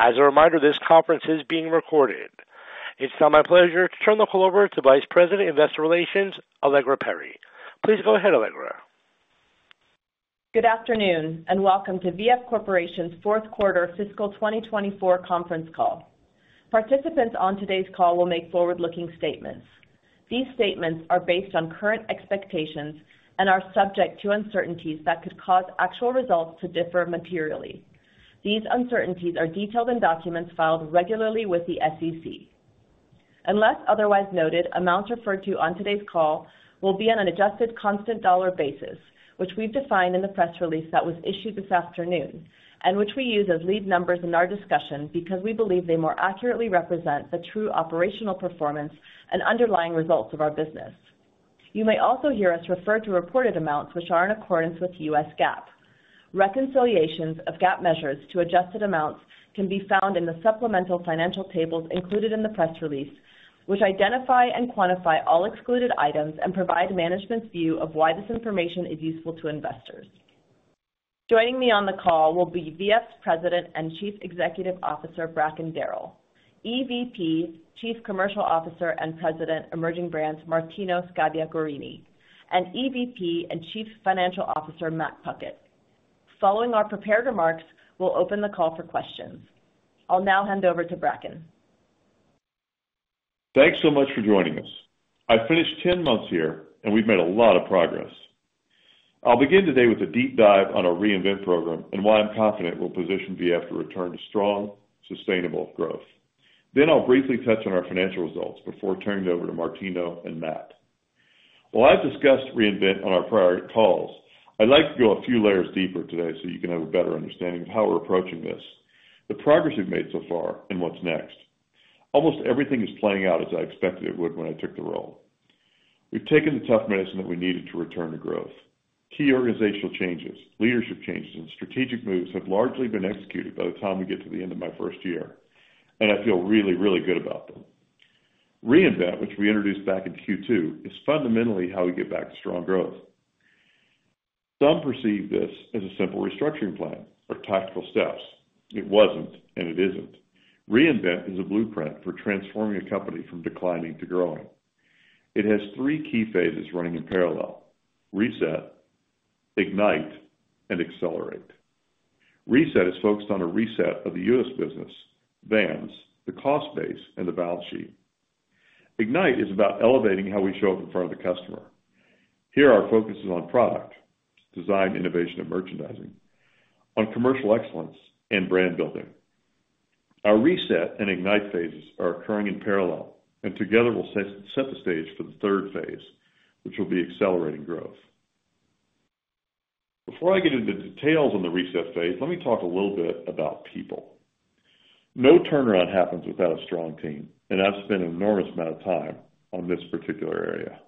As a reminder, this conference is being recorded. It's now my pleasure to turn the call over to Vice President of Investor Relations, Allegra Perry. Please go ahead, Allegra. Good afternoon, and welcome to VF Corporation's Q4 Fiscal 2024 Conference Call. Participants on today's call will make forward-looking statements. These statements are based on current expectations and are subject to uncertainties that could cause actual results to differ materially. These uncertainties are detailed in documents filed regularly with the SEC. Unless otherwise noted, amounts referred to on today's call will be on an adjusted constant dollar basis, which we've defined in the press release that was issued this afternoon, and which we use as lead numbers in our discussion because we believe they more accurately represent the true operational performance and underlying results of our business. You may also hear us refer to reported amounts which are in accordance with U.S. GAAP. Reconciliations of GAAP measures to adjusted amounts can be found in the supplemental financial tables included in the press release, which identify and quantify all excluded items and provide management's view of why this information is useful to investors. Joining me on the call will be VF's President and Chief Executive Officer, Bracken Darrell; EVP, Chief Commercial Officer, and President, Emerging Brands, Martino Scabbia Guerrini; and EVP and Chief Financial Officer, Matt Puckett. Following our prepared remarks, we'll open the call for questions. I'll now hand over to Bracken. Thanks so much for joining us. I finished 10 months here, and we've made a lot of progress. I'll begin today with a deep dive on our Reinvent program and why I'm confident we'll position VF to return to strong, sustainable growth. Then I'll briefly touch on our financial results before turning it over to Martino and Matt. While I've discussed Reinvent on our prior calls, I'd like to go a few layers deeper today so you can have a better understanding of how we're approaching this, the progress we've made so far, and what's next. Almost everything is playing out as I expected it would when I took the role. We've taken the tough medicine that we needed to return to growth. Key organizational changes, leadership changes, and strategic moves have largely been executed by the time we get to the end of my first year, and I feel really, really good about them. Reinvent, which we introduced back in Q2, is fundamentally how we get back to strong growth. Some perceive this as a simple restructuring plan or tactical steps. It wasn't, and it isn't. Reinvent is a blueprint for transforming a company from declining to growing. It has three key phases running in parallel: reset, ignite, and accelerate. Reset is focused on a reset of the U.S. business, Vans, the cost base, and the balance sheet. Ignite is about elevating how we show up in front of the customer. Here, our focus is on product, design, innovation, and merchandising, on commercial excellence and brand building. Our Reset and Ignite phases are occurring in parallel, and together will set the stage for the third phase, which will be accelerating growth. Before I get into details on the Reset phase, let me talk a little bit about people. No turnaround happens without a strong team, and I've spent an enormous amount of time on this particular area.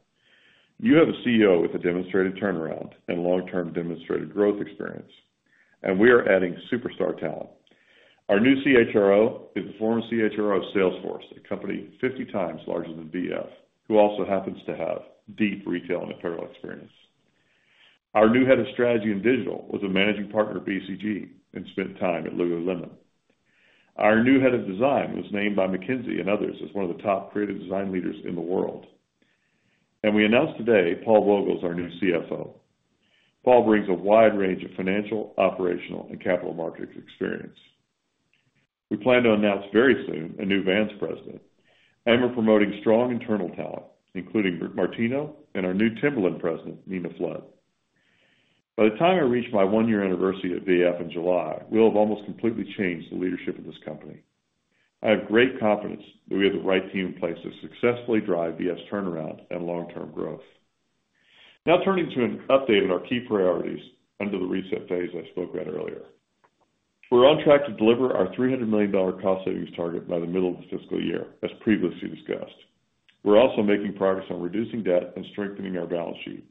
You have a CEO with a demonstrated turnaround and long-term demonstrated growth experience, and we are adding superstar talent. Our new CHRO is a former CHRO of Salesforce, a company 50 times larger than VF, who also happens to have deep retail and apparel experience. Our new head of strategy and digital was a managing partner at BCG and spent time at Lululemon. Our new head of design was named by McKinsey and others as one of the top creative design leaders in the world. We announced today Paul Vogel is our new CFO. Paul brings a wide range of financial, operational, and capital markets experience. We plan to announce very soon a new Vans president, and we're promoting strong internal talent, including Martino and our new Timberland president, Nina Flood. By the time I reach my one-year anniversary at VF in July, we'll have almost completely changed the leadership of this company. I have great confidence that we have the right team in place to successfully drive VF's turnaround and long-term growth. Now, turning to an update on our key priorities under the Reset phase I spoke about earlier. We're on track to deliver our $300 million cost savings target by the middle of the fiscal year, as previously discussed. We're also making progress on reducing debt and strengthening our balance sheet.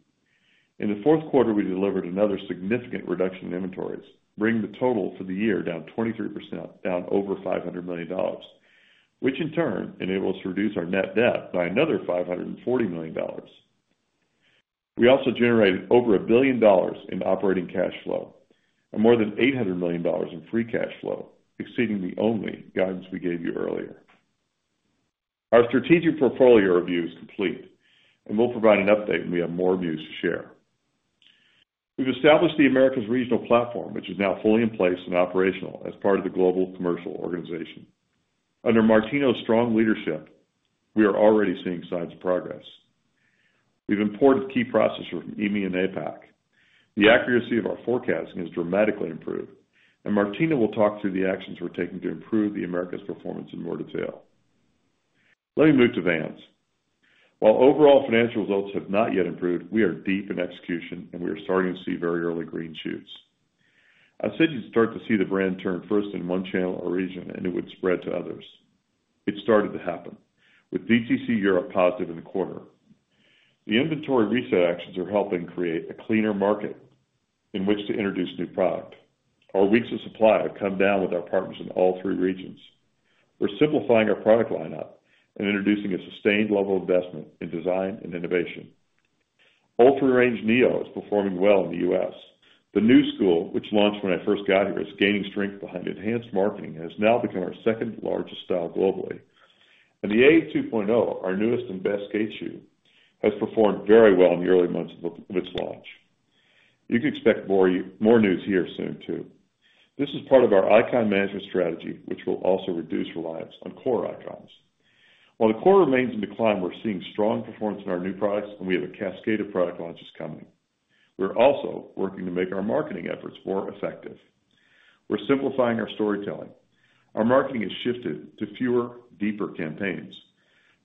In the Q4, we delivered another significant reduction in inventories, bringing the total for the year down 23%, down over $500 million, which in turn enabled us to reduce our net debt by another $540 million. We also generated over $1 billion in operating cash flow and more than $800 million in free cash flow, exceeding the only guidance we gave you earlier. Our strategic portfolio review is complete, and we'll provide an update when we have more news to share. We've established the Americas regional platform, which is now fully in place and operational as part of the global commercial organization. Under Martino's strong leadership, we are already seeing signs of progress. We've imported key processes from EMEA and APAC. The accuracy of our forecasting has dramatically improved, and Martino will talk through the actions we're taking to improve the Americas' performance in more detail. Let me move to Vans. While overall financial results have not yet improved, we are deep in execution, and we are starting to see very early green shoots. I said, you'd start to see the brand turn first in one channel or region, and it would spread to others. It started to happen, with DTC Europe positive in the quarter. The inventory reset actions are helping create a cleaner market in which to introduce new product. Our weeks of supply have come down with our partners in all three regions. We're simplifying our product lineup and introducing a sustained level of investment in design and innovation. UltraRange Neo is performing well in the U.S. The New School, which launched when I first got here, is gaining strength behind enhanced marketing and has now become our second largest style globally. The AVE 2.0, our newest and best skate shoe, has performed very well in the early months of its launch. You can expect more news here soon, too. This is part of our icon management strategy, which will also reduce reliance on core icons. While the core remains in decline, we're seeing strong performance in our new products, and we have a cascade of product launches coming. We're also working to make our marketing efforts more effective. We're simplifying our storytelling. Our marketing has shifted to fewer, deeper campaigns.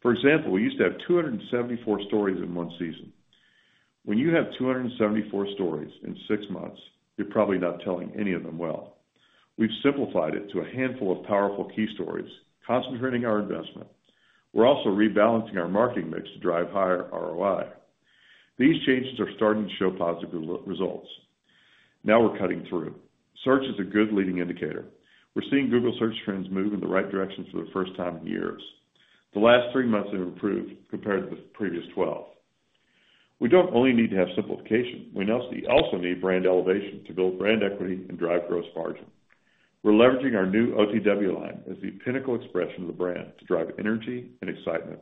For example, we used to have 274 stories in one season. When you have 274 stories in six months, you're probably not telling any of them well. We've simplified it to a handful of powerful key stories, concentrating our investment. We're also rebalancing our marketing mix to drive higher ROI. These changes are starting to show positive results. Now we're cutting through. Search is a good leading indicator. We're seeing Google Search trends move in the right direction for the first time in years. The last three months have improved compared to the previous 12. We don't only need to have simplification, we also need brand elevation to build brand equity and drive gross margin. We're leveraging our new OTW line as the pinnacle expression of the brand to drive energy and excitement.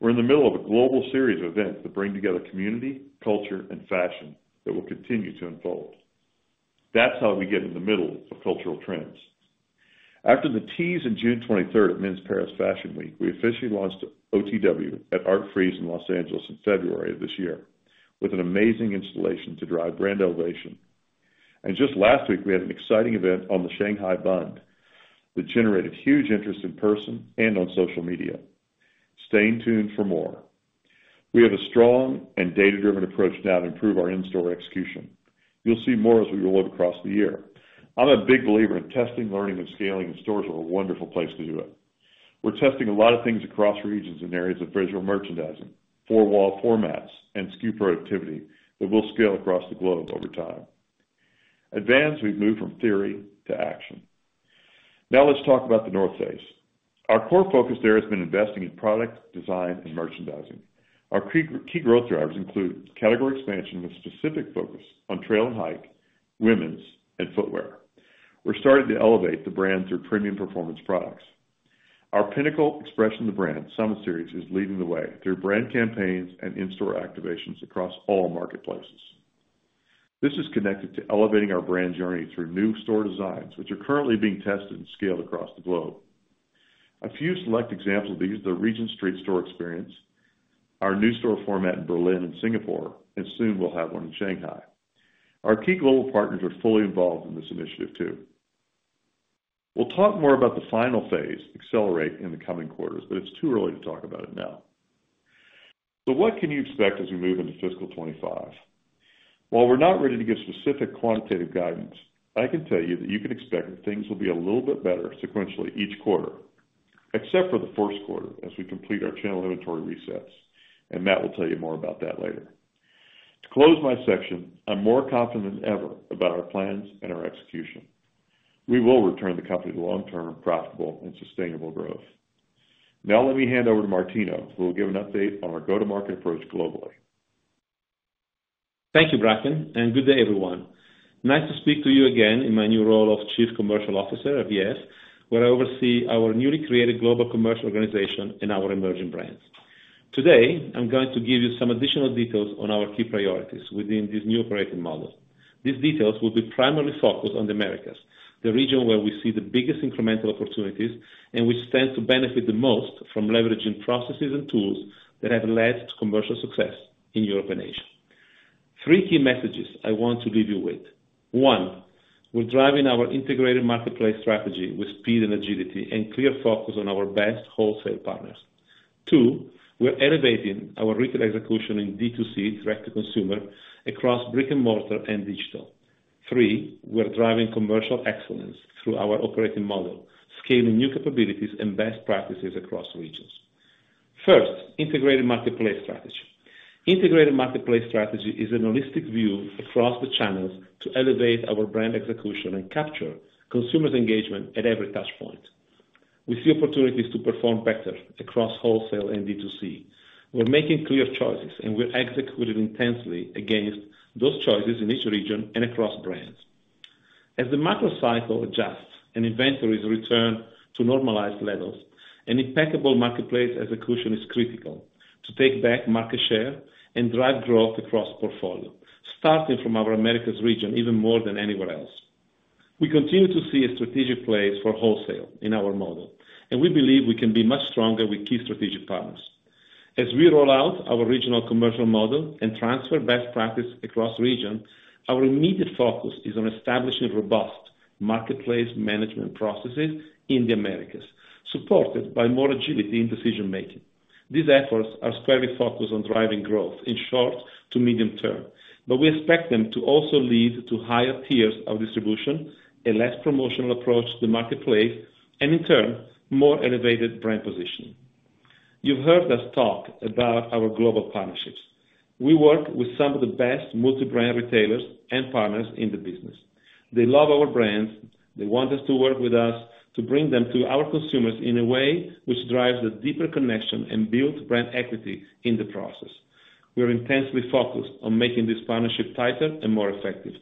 We're in the middle of a global series of events that bring together community, culture, and fashion that will continue to unfold. That's how we get in the middle of cultural trends. After the tease in June 23rd at Men's Paris Fashion Week, we officially launched OTW at Art Basel in Los Angeles in February of this year, with an amazing installation to drive brand elevation. Just last week, we had an exciting event on The Bund in Shanghai that generated huge interest in person and on social media. Stay in tune for more. We have a strong and data-driven approach now to improve our in-store execution. You'll see more as we roll it across the year. I'm a big believer in testing, learning, and scaling, and stores are a wonderful place to do it. We're testing a lot of things across regions in areas of visual merchandising, four-wall formats, and SKU productivity that will scale across the globe over time. And now, we've moved from theory to action. Now let's talk about The North Face. Our core focus there has been investing in product, design, and merchandising. Our key growth drivers include category expansion, with specific focus on trail and hike, women's, and footwear. We're starting to elevate the brand through premium performance products. Our pinnacle expression of the brand, Summit Series, is leading the way through brand campaigns and in-store activations across all marketplaces. This is connected to elevating our brand journey through new store designs, which are currently being tested and scaled across the globe. A few select examples of these, the Regent Street store experience, our new store format in Berlin and Singapore, and soon we'll have one in Shanghai. Our key global partners are fully involved in this initiative, too. We'll talk more about the final phase, Accelerate, in the coming quarters, but it's too early to talk about it now. So what can you expect as we move into fiscal 2025? While we're not ready to give specific quantitative guidance, I can tell you that you can expect that things will be a little bit better sequentially each quarter, except for the Q1 as we complete our channel inventory resets, and Matt will tell you more about that later. To close my section, I'm more confident than ever about our plans and our execution. We will return the company to long-term, profitable, and sustainable growth. Now let me hand over to Martino, who will give an update on our go-to-market approach globally. Thank you, Bracken, and good day, everyone. Nice to speak to you again in my new role of Chief Commercial Officer of VF, where I oversee our newly created global commercial organization and our emerging brands. Today, I'm going to give you some additional details on our key priorities within this new operating model. These details will be primarily focused on the Americas, the region where we see the biggest incremental opportunities and which stands to benefit the most from leveraging processes and tools that have led to commercial success in Europe and Asia. Three key messages I want to leave you with. One, we're driving our integrated marketplace strategy with speed and agility and clear focus on our best wholesale partners. Two, we're elevating our retail execution in DTC, direct-to-consumer, across brick-and-mortar and digital. Three, we're driving commercial excellence through our operating model, scaling new capabilities and best practices across regions. First, integrated marketplace strategy. Integrated marketplace strategy is a holistic view across the channels to elevate our brand execution and capture consumers' engagement at every touchpoint. We see opportunities to perform better across wholesale andDTC. We're making clear choices, and we're executing intensely against those choices in each region and across brands. As the macro cycle adjusts and inventories return to normalized levels, an impeccable marketplace execution is critical to take back market share and drive growth across portfolio, starting from our Americas region even more than anywhere else. We continue to see a strategic place for wholesale in our model, and we believe we can be much stronger with key strategic partners. As we roll out our regional commercial model and transfer best practice across regions, our immediate focus is on establishing robust marketplace management processes in the Americas, supported by more agility in decision-making. These efforts are squarely focused on driving growth in short to medium term, but we expect them to also lead to higher tiers of distribution, a less promotional approach to the marketplace, and in turn, more elevated brand positioning. You've heard us talk about our global partnerships. We work with some of the best multi-brand retailers and partners in the business. They love our brands. They want us to work with us to bring them to our consumers in a way which drives a deeper connection and builds brand equity in the process. We are intensely focused on making this partnership tighter and more effective,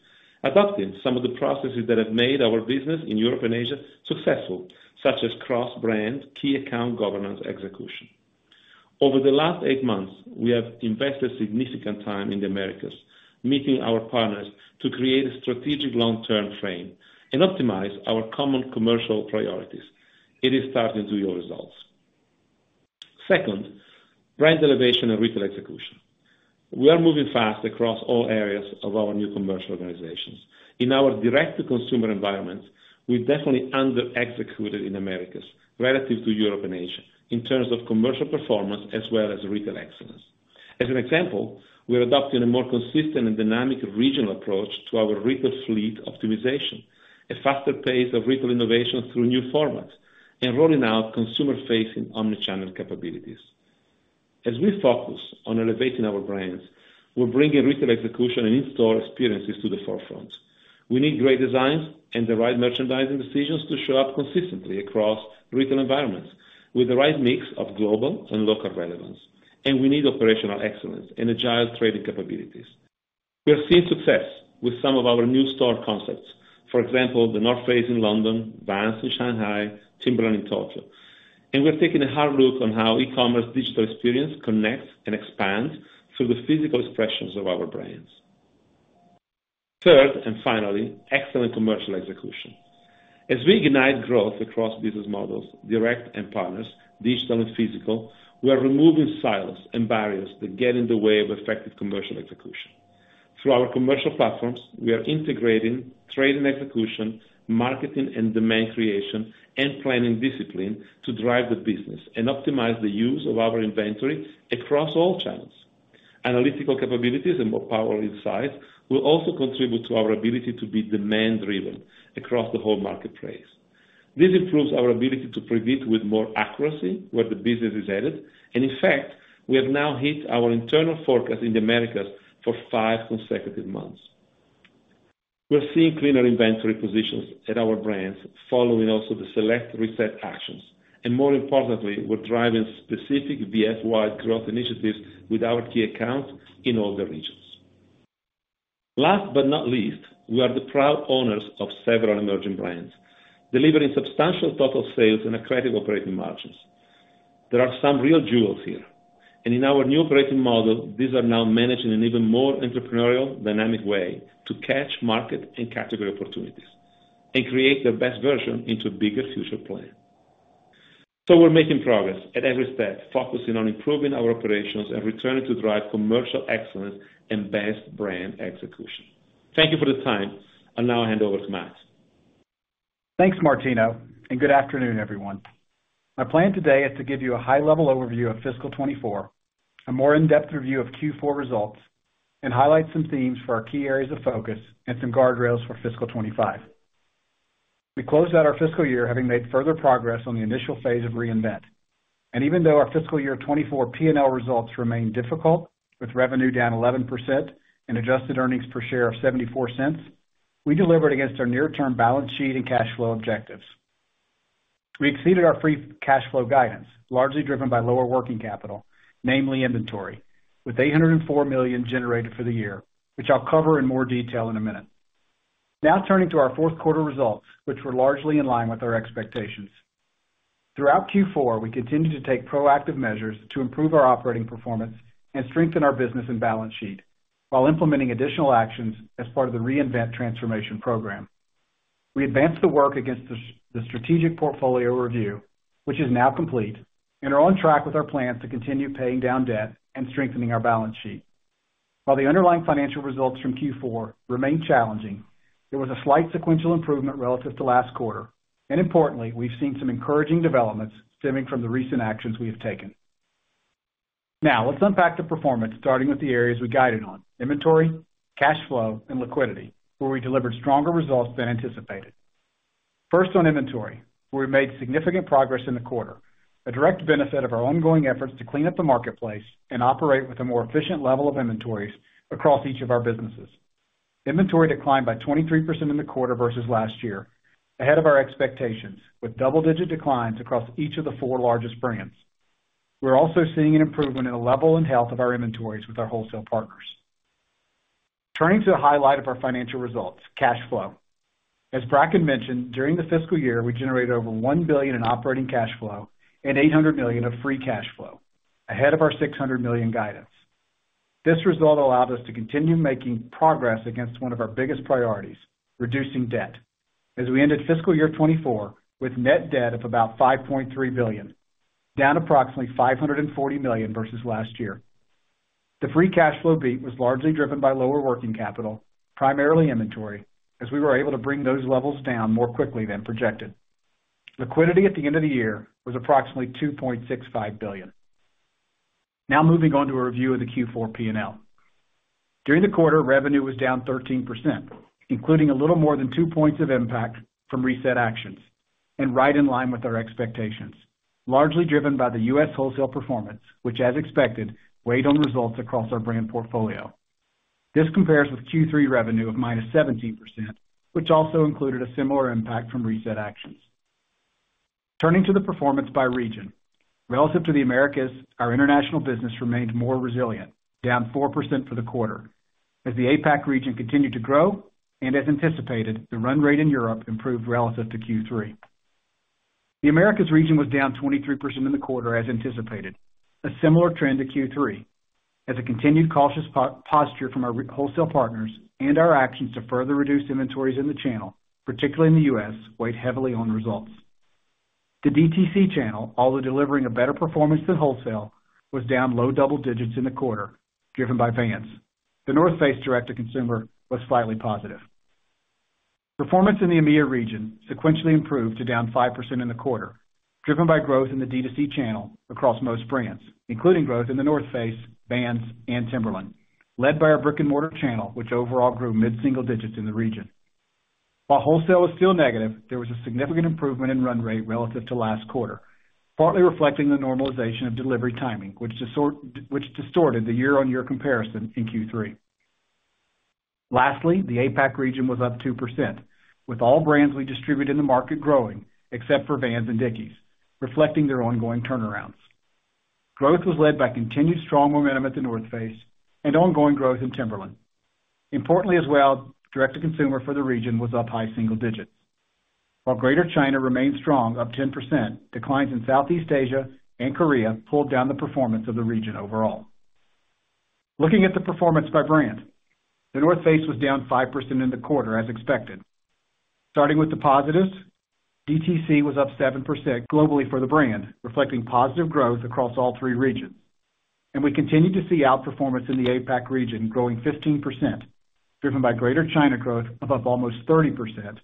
adopting some of the processes that have made our business in Europe and Asia successful, such as cross-brand, key account governance execution. Over the last eight months, we have invested significant time in the Americas, meeting our partners to create a strategic long-term frame and optimize our common commercial priorities. It is starting to yield results. Second, brand elevation and retail execution. We are moving fast across all areas of our new commercial organizations. In our direct-to-consumer environment, we definitely under executed in Americas relative to Europe and Asia in terms of commercial performance as well as retail excellence. As an example, we are adopting a more consistent and dynamic regional approach to our retail fleet optimization, a faster pace of retail innovation through new formats, and rolling out consumer-facing omni-channel capabilities. As we focus on elevating our brands, we're bringing retail execution and in-store experiences to the forefront. We need great designs and the right merchandising decisions to show up consistently across retail environments, with the right mix of global and local relevance, and we need operational excellence and agile trading capabilities. We are seeing success with some of our new store concepts. For example, The North Face in London, Vans in Shanghai, Timberland in Tokyo. And we're taking a hard look on how e-commerce digital experience connects and expands through the physical expressions of our brands. Third, and finally, excellent commercial execution. As we ignite growth across business models, direct and partners, digital and physical, we are removing silos and barriers that get in the way of effective commercial execution. Through our commercial platforms, we are integrating trade and execution, marketing and demand creation, and planning discipline to drive the business and optimize the use of our inventory across all channels. Analytical capabilities and more power inside will also contribute to our ability to be demand-driven across the whole marketplace. This improves our ability to predict with more accuracy where the business is headed, and in fact, we have now hit our internal forecast in the Americas for five consecutive months. We're seeing cleaner inventory positions at our brands, following also the select reset actions, and more importantly, we're driving specific VF-wide growth initiatives with our key accounts in all the regions. Last but not least, we are the proud owners of several emerging brands, delivering substantial total sales and accretive operating margins. There are some real jewels here, and in our new operating model, these are now managed in an even more entrepreneurial, dynamic way to catch market and category opportunities and create the best version into a bigger future plan. So we're making progress at every step, focusing on improving our operations and returning to drive commercial excellence and best brand execution. Thank you for the time, I'll now hand over to Matt. Thanks, Martino, and good afternoon, everyone. My plan today is to give you a high-level overview of fiscal 2024, a more in-depth review of Q4 results, and highlight some themes for our key areas of focus and some guardrails for fiscal 2025. We closed out our fiscal year having made further progress on the initial phase of Reinvent. Even though our fiscal year 2024 P&L results remained difficult, with revenue down 11% and adjusted earnings per share of $0.74, we delivered against our near-term balance sheet and cash flow objectives. We exceeded our free cash flow guidance, largely driven by lower working capital, namely inventory, with $804 million generated for the year, which I'll cover in more detail in a minute. Now turning to our Q4 results, which were largely in line with our expectations. Throughout Q4, we continued to take proactive measures to improve our operating performance and strengthen our business and balance sheet while implementing additional actions as part of the Reinvent transformation program. We advanced the work against the strategic portfolio review, which is now complete, and are on track with our plans to continue paying down debt and strengthening our balance sheet. While the underlying financial results from Q4 remain challenging, there was a slight sequential improvement relative to last quarter, and importantly, we've seen some encouraging developments stemming from the recent actions we have taken. Now, let's unpack the performance, starting with the areas we guided on: inventory, cash flow, and liquidity, where we delivered stronger results than anticipated. First, on inventory, we made significant progress in the quarter, a direct benefit of our ongoing efforts to clean up the marketplace and operate with a more efficient level of inventories across each of our businesses. Inventory declined by 23% in the quarter versus last year, ahead of our expectations, with double-digit declines across each of the four largest brands. We're also seeing an improvement in the level and health of our inventories with our wholesale partners. Turning to the highlight of our financial results, cash flow. As Bracken mentioned, during the fiscal year, we generated over $1 billion in operating cash flow and $800 million of free cash flow, ahead of our $600 million guidance. This result allowed us to continue making progress against one of our biggest priorities, reducing debt, as we ended fiscal year 2024 with net debt of about $5.3 billion, down approximately $540 million versus last year. The free cash flow beat was largely driven by lower working capital, primarily inventory, as we were able to bring those levels down more quickly than projected. Liquidity at the end of the year was approximately $2.65 billion. Now moving on to a review of the Q4 P&L. During the quarter, revenue was down 13%, including a little more than two points of impact from reset actions... and right in line with our expectations, largely driven by the U.S. wholesale performance, which, as expected, weighed on results across our brand portfolio. This compares with Q3 revenue of -17%, which also included a similar impact from reset actions. Turning to the performance by region. Relative to the Americas, our international business remained more resilient, down 4% for the quarter, as the APAC region continued to grow, and as anticipated, the run rate in Europe improved relative to Q3. The Americas region was down 23% in the quarter, as anticipated, a similar trend to Q3, as a continued cautious posture from our wholesale partners and our actions to further reduce inventories in the channel, particularly in the US, weighed heavily on results. The DTC channel, although delivering a better performance than wholesale, was down low double digits in the quarter, driven by Vans. The North Face direct-to-consumer was slightly positive. Performance in the EMEA region sequentially improved to down 5% in the quarter, driven by growth in the DTC channel across most brands, including growth in The North Face, Vans, and Timberland, led by our brick-and-mortar channel, which overall grew mid-single digits in the region. While wholesale was still negative, there was a significant improvement in run rate relative to last quarter, partly reflecting the normalization of delivery timing, which distorted the year-on-year comparison in Q3. Lastly, the APAC region was up 2%, with all brands we distribute in the market growing, except for Vans and Dickies, reflecting their ongoing turnarounds. Growth was led by continued strong momentum at The North Face and ongoing growth in Timberland. Importantly as well, direct-to-consumer for the region was up high single digits. While Greater China remained strong, up 10%, declines in Southeast Asia and Korea pulled down the performance of the region overall. Looking at the performance by brand. The North Face was down 5% in the quarter, as expected. Starting with the positives, DTC was up 7% globally for the brand, reflecting positive growth across all three regions. We continued to see outperformance in the APAC region, growing 15%, driven by Greater China growth of up almost 30%,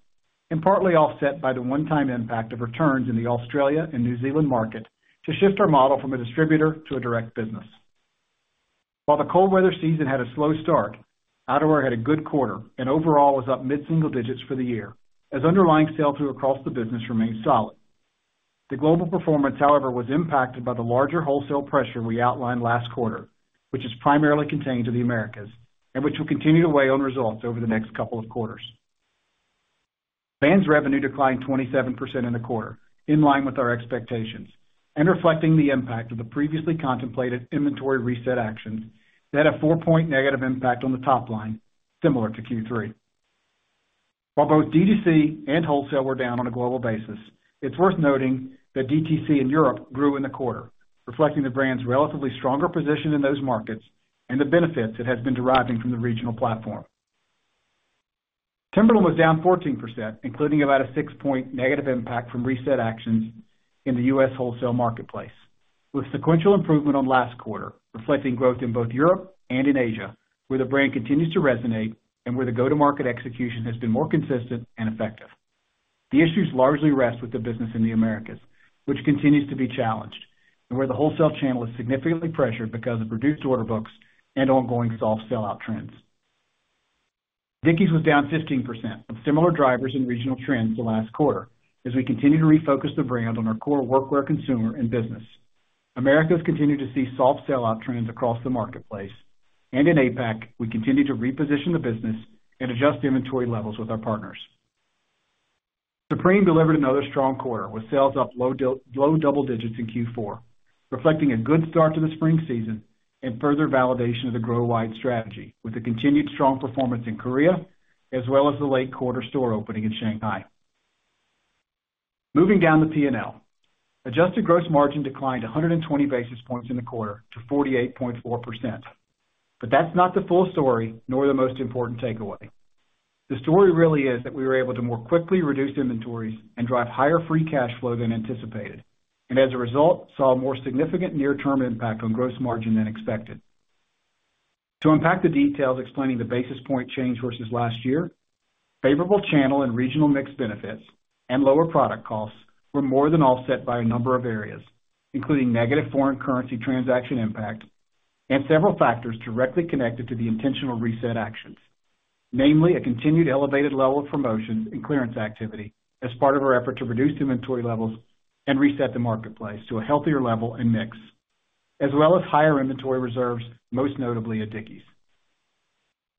and partly offset by the one-time impact of returns in the Australia and New Zealand market to shift our model from a distributor to a direct business. While the cold weather season had a slow start, outerwear had a good quarter and overall was up mid-single digits for the year, as underlying sales grew across the business remained solid. The global performance, however, was impacted by the larger wholesale pressure we outlined last quarter, which is primarily contained to the Americas, and which will continue to weigh on results over the next couple of quarters. Vans revenue declined 27% in the quarter, in line with our expectations, and reflecting the impact of the previously contemplated inventory reset actions that had a four-point negative impact on the top line, similar to Q3. While both DTC and wholesale were down on a global basis, it's worth noting that DTC in Europe grew in the quarter, reflecting the brand's relatively stronger position in those markets and the benefits it has been deriving from the regional platform. Timberland was down 14%, including about a six-point negative impact from reset actions in the U.S. wholesale marketplace, with sequential improvement on last quarter, reflecting growth in both Europe and in Asia, where the brand continues to resonate and where the go-to-market execution has been more consistent and effective. The issues largely rest with the business in the Americas, which continues to be challenged, and where the wholesale channel is significantly pressured because of reduced order books and ongoing soft sellout trends. Dickies was down 15%, with similar drivers and regional trends to last quarter, as we continue to refocus the brand on our core workwear consumer and business. Americas continued to see soft sellout trends across the marketplace, and in APAC, we continued to reposition the business and adjust inventory levels with our partners. Supreme delivered another strong quarter, with sales up low double digits in Q4, reflecting a good start to the spring season and further validation of the grow-wide strategy, with a continued strong performance in Korea, as well as the late quarter store opening in Shanghai. Moving down the P&L. Adjusted gross margin declined 100 basis points in the quarter to 48.4%. But that's not the full story, nor the most important takeaway. The story really is that we were able to more quickly reduce inventories and drive higher free cash flow than anticipated, and as a result, saw a more significant near-term impact on gross margin than expected. To unpack the details explaining the basis point change versus last year, favorable channel and regional mix benefits and lower product costs were more than offset by a number of areas, including negative foreign currency transaction impact and several factors directly connected to the intentional reset actions. Namely, a continued elevated level of promotions and clearance activity as part of our effort to reduce inventory levels and reset the marketplace to a healthier level and mix, as well as higher inventory reserves, most notably at Dickies.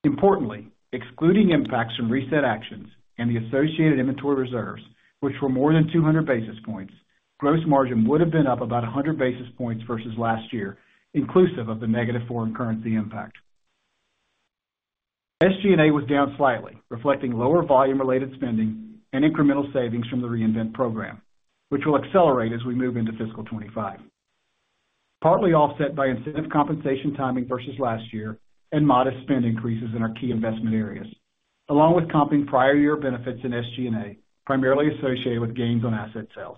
Importantly, excluding impacts from reset actions and the associated inventory reserves, which were more than 200 basis points, gross margin would have been up about 100 basis points versus last year, inclusive of the negative foreign currency impact. SG&A was down slightly, reflecting lower volume-related spending and incremental savings from the Reinvent program, which will accelerate as we move into fiscal 2025. Partly offset by incentive compensation timing versus last year and modest spend increases in our key investment areas, along with comping prior year benefits in SG&A, primarily associated with gains on asset sales.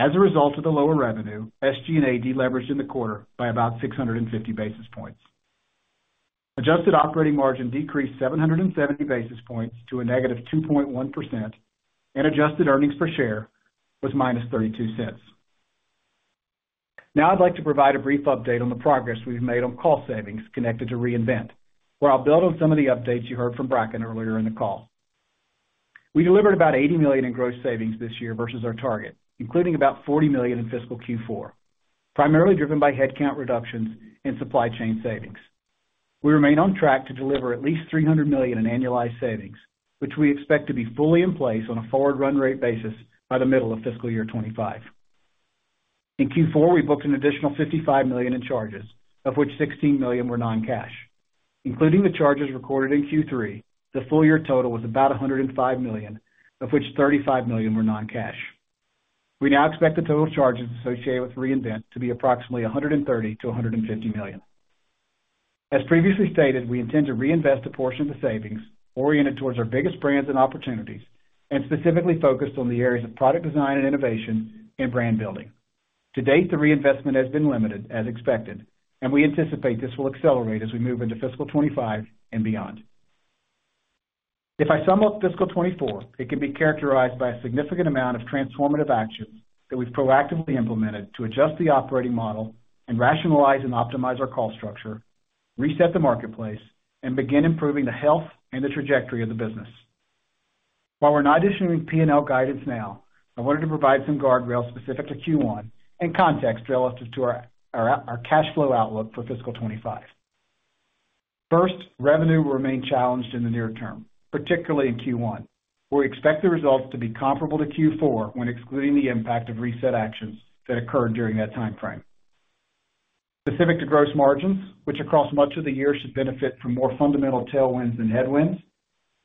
As a result of the lower revenue, SG&A deleveraged in the quarter by about 650 basis points. Adjusted operating margin decreased 770 basis points to a negative 2.1%, and adjusted earnings per share was -$0.32. Now I'd like to provide a brief update on the progress we've made on cost savings connected to Reinvent, where I'll build on some of the updates you heard from Bracken earlier in the call. We delivered about $80 million in gross savings this year versus our target, including about $40 million in fiscal Q4, primarily driven by headcount reductions and supply chain savings. We remain on track to deliver at least $300 million in annualized savings, which we expect to be fully in place on a forward run rate basis by the middle of fiscal year 2025. In Q4, we booked an additional $55 million in charges, of which $16 million were non-cash. Including the charges recorded in Q3, the full year total was about $105 million, of which $35 million were non-cash. We now expect the total charges associated with Reinvent to be approximately $130 million-$150 million. As previously stated, we intend to reinvest a portion of the savings oriented towards our biggest brands and opportunities, and specifically focused on the areas of product design and innovation and brand building. To date, the reinvestment has been limited, as expected, and we anticipate this will accelerate as we move into fiscal 2025 and beyond. If I sum up fiscal 2024, it can be characterized by a significant amount of transformative action that we've proactively implemented to adjust the operating model and rationalize and optimize our cost structure, reset the marketplace, and begin improving the health and the trajectory of the business. While we're not issuing P&L guidance now, I wanted to provide some guardrails specific to Q1 and context relative to our cash flow outlook for fiscal 2025. First, revenue will remain challenged in the near term, particularly in Q1, where we expect the results to be comparable to Q4 when excluding the impact of reset actions that occurred during that timeframe. Specific to gross margins, which across much of the year should benefit from more fundamental tailwinds than headwinds,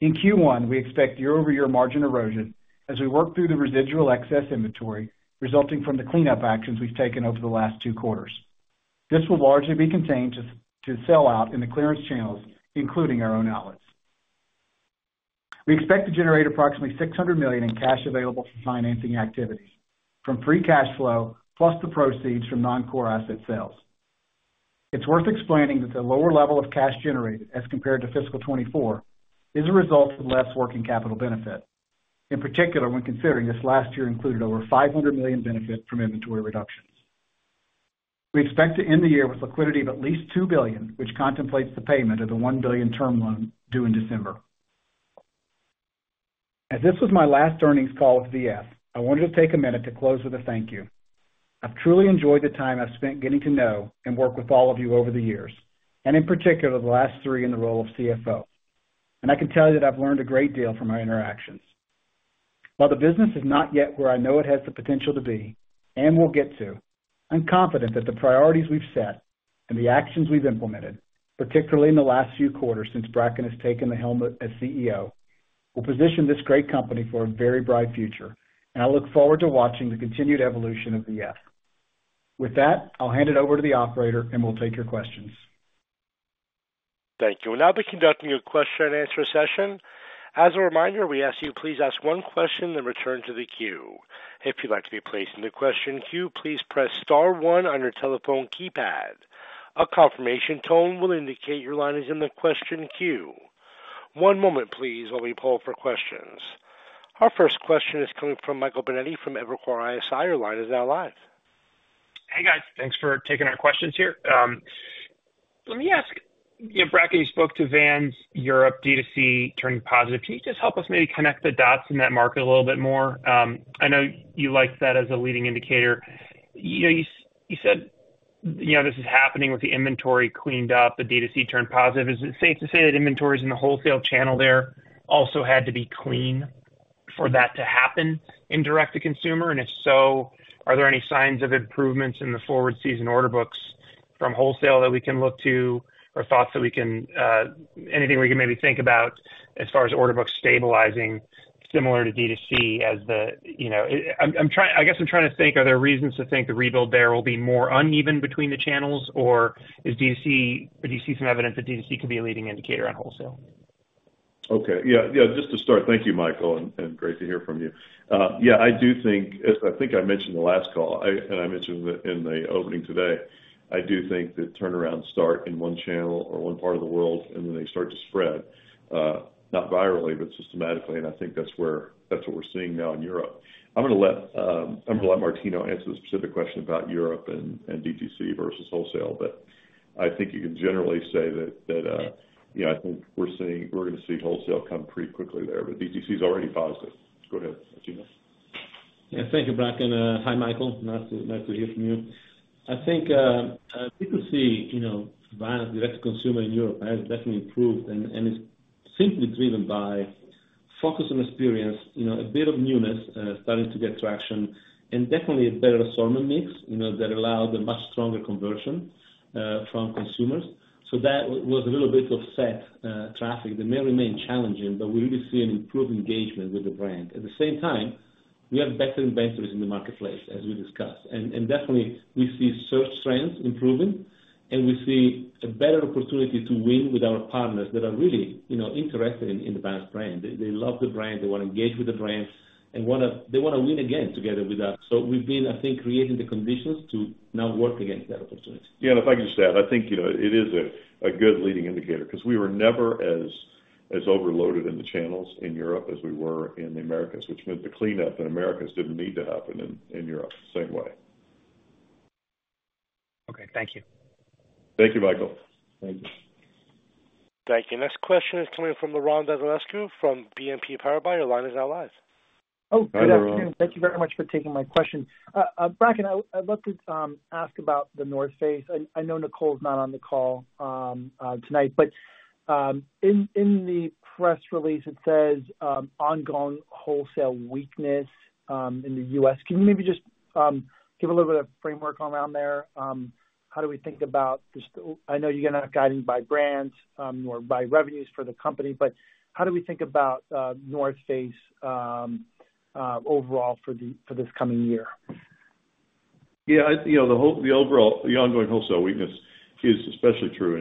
in Q1, we expect year-over-year margin erosion as we work through the residual excess inventory resulting from the cleanup actions we've taken over the last two quarters. This will largely be contained to sell out in the clearance channels, including our own outlets. We expect to generate approximately $600 million in cash available for financing activities from Free Cash Flow, plus the proceeds from non-core asset sales. It's worth explaining that the lower level of cash generated as compared to fiscal 2024 is a result of less working capital benefit, in particular, when considering this last year included over $500 million benefit from inventory reductions. We expect to end the year with liquidity of at least $2 billion, which contemplates the payment of the $1 billion term loan due in December. As this was my last earnings call with VF, I wanted to take a minute to close with a thank you. I've truly enjoyed the time I've spent getting to know and work with all of you over the years, and in particular, the last three in the role of CFO. I can tell you that I've learned a great deal from our interactions. While the business is not yet where I know it has the potential to be and will get to, I'm confident that the priorities we've set and the actions we've implemented, particularly in the last few quarters since Bracken has taken the helm as CEO, will position this great company for a very bright future, and I look forward to watching the continued evolution of VF. With that, I'll hand it over to the operator, and we'll take your questions. Thank you. We'll now be conducting a question-and-answer session. As a reminder, we ask you please ask one question, then return to the queue. If you'd like to be placed in the question queue, please press star one on your telephone keypad. A confirmation tone will indicate your line is in the question queue. One moment, please, while we poll for questions. Our first question is coming from Michael Binetti from Evercore ISI. Your line is now live. Hey, guys. Thanks for taking our questions here. Let me ask, you know, Bracken, you spoke to Vans Europe, DTC turning positive. Can you just help us maybe connect the dots in that market a little bit more? I know you liked that as a leading indicator. You know, you said, you know, this is happening with the inventory cleaned up, the DTC turned positive. Is it safe to say that inventories in the wholesale channel there also had to be clean for that to happen in direct-to-consumer? And if so, are there any signs of improvements in the forward season order books from wholesale that we can look to or thoughts that we can, anything we can maybe think about as far as order books stabilizing, similar to DTC as the, you know... I'm trying to think, are there reasons to think the rebuild there will be more uneven between the channels, or isDTC, or do you see some evidence thatDTC could be a leading indicator on wholesale? Okay. Yeah, yeah, just to start, thank you, Michael, and great to hear from you. Yeah, I do think, as I think I mentioned the last call, and I mentioned it in the opening today, I do think that turnarounds start in one channel or one part of the world, and then they start to spread, not virally, but systematically, and I think that's what we're seeing now in Europe. I'm gonna let Martino answer the specific question about Europe and DTC versus wholesale, but I think you can generally say that, you know, I think we're gonna see wholesale come pretty quickly there, but DTC is already positive. Go ahead, Martino. Yeah. Thank you, Bracken. Hi, Michael. Nice to, nice to hear from you. I think, we could see, you know, Vans direct to consumer in Europe has definitely improved and, and it's simply driven by focus on experience, you know, a bit of newness, starting to get traction and definitely a better assortment mix, you know, that allowed a much stronger conversion, from consumers. So that was a little bit of net traffic. They may remain challenging, but we really see an improved engagement with the brand. At the same time, we have better inventory in the marketplace, as we discussed. And definitely we see search trends improving, and we see a better opportunity to win with our partners that are really, you know, interested in, in the Vans brand. They love the brand, they wanna engage with the brand and wanna win again together with us. So we've been, I think, creating the conditions to not work against that opportunity. Yeah, and if I could just add, I think, you know, it is a good leading indicator, 'cause we were never as overloaded in the channels in Europe as we were in the Americas, which meant the cleanup in Americas didn't need to happen in Europe the same way. Okay. Thank you. Thank you, Michael. Thank you. Next question is coming from Laurent Vasilescu from BNP Paribas. Your line is now live. Hi, Laurent. Oh, good afternoon. Thank you very much for taking my question. Bracken, I'd love to ask about The North Face. I know Nicole is not on the call tonight, but in the press release, it says ongoing wholesale weakness in the U.S.. Can you maybe just give a little bit of framework around there? How do we think about just—I know you're gonna have guidance by brands or by revenues for the company, but how do we think about North Face overall for this coming year? Yeah, I, you know, the overall ongoing wholesale weakness is especially true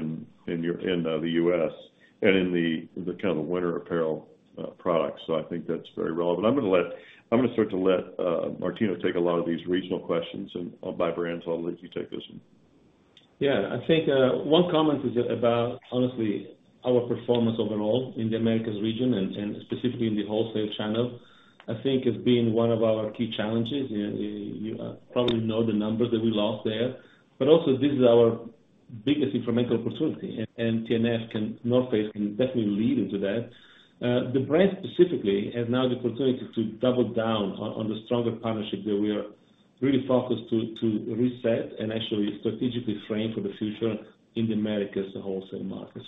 in Europe and in the U.S. and in the kind of winter apparel products. So I think that's very relevant. I'm gonna start to let Martino take a lot of these regional questions and by brands, so I'll let you take this one. Yeah. I think one comment is about, honestly, our performance overall in the Americas region and specifically in the wholesale channel. I think it's been one of our key challenges. You probably know the numbers that we lost there, but also this is our biggest incremental opportunity, and TNF North Face can definitely lead into that. The brand specifically has now the opportunity to double down on the stronger partnerships that we are really focused to reset and actually strategically frame for the future in the Americas wholesale market.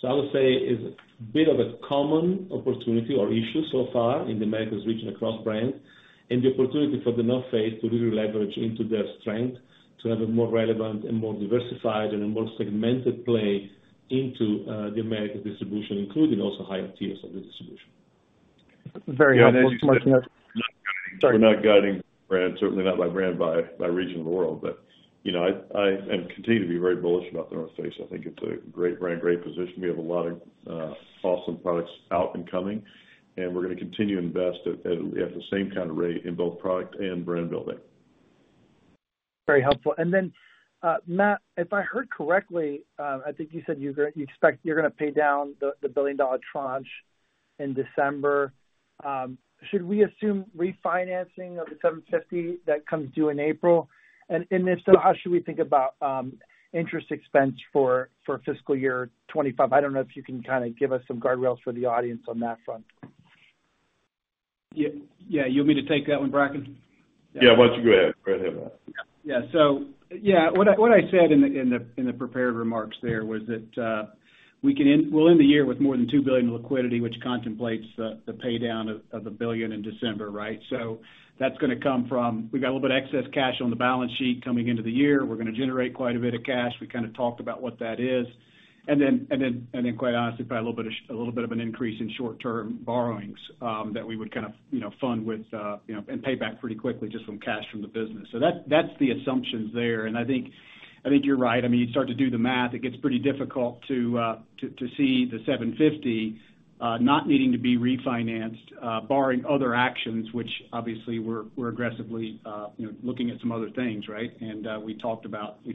I would say it's a bit of a common opportunity or issue so far in the Americas region, across brand, and the opportunity for The North Face to really leverage into their strength, to have a more relevant and more diversified and a more segmented play into the American distribution, including also higher tiers of the distribution. Very helpful, Martino. Sorry. We're not guiding brand, certainly not by brand, by region of the world, but you know, I am continuing to be very bullish about The North Face. I think it's a great brand, great position. We have a lot of awesome products out and coming, and we're gonna continue to invest at the same kind of rate in both product and brand building. Very helpful. And then, Matt, if I heard correctly, I think you said you expect you're gonna pay down the $1 billion tranche in December. Should we assume refinancing of the $750 million that comes due in April? And if so, how should we think about interest expense for fiscal year 2025? I don't know if you can kinda give us some guardrails for the audience on that front. Yeah. Yeah, you want me to take that one, Bracken? Yeah, why don't you go ahead. Go ahead, Matt. Yeah. So, yeah, what I said in the prepared remarks there was that, we can end—we'll end the year with more than $2 billion in liquidity, which contemplates the pay down of $1 billion in December, right? So that's gonna come from... We've got a little bit of excess cash on the balance sheet coming into the year. We're gonna generate quite a bit of cash. We kind of talked about what that is. And then, quite honestly, probably a little bit of an increase in short-term borrowings, that we would kind of, you know, fund with, you know, and pay back pretty quickly just from cash from the business. So that, that's the assumptions there, and I think you're right. I mean, you start to do the math, it gets pretty difficult to see the $750 million not needing to be refinanced, barring other actions, which obviously we're aggressively, you know, looking at some other things, right? And we talked about the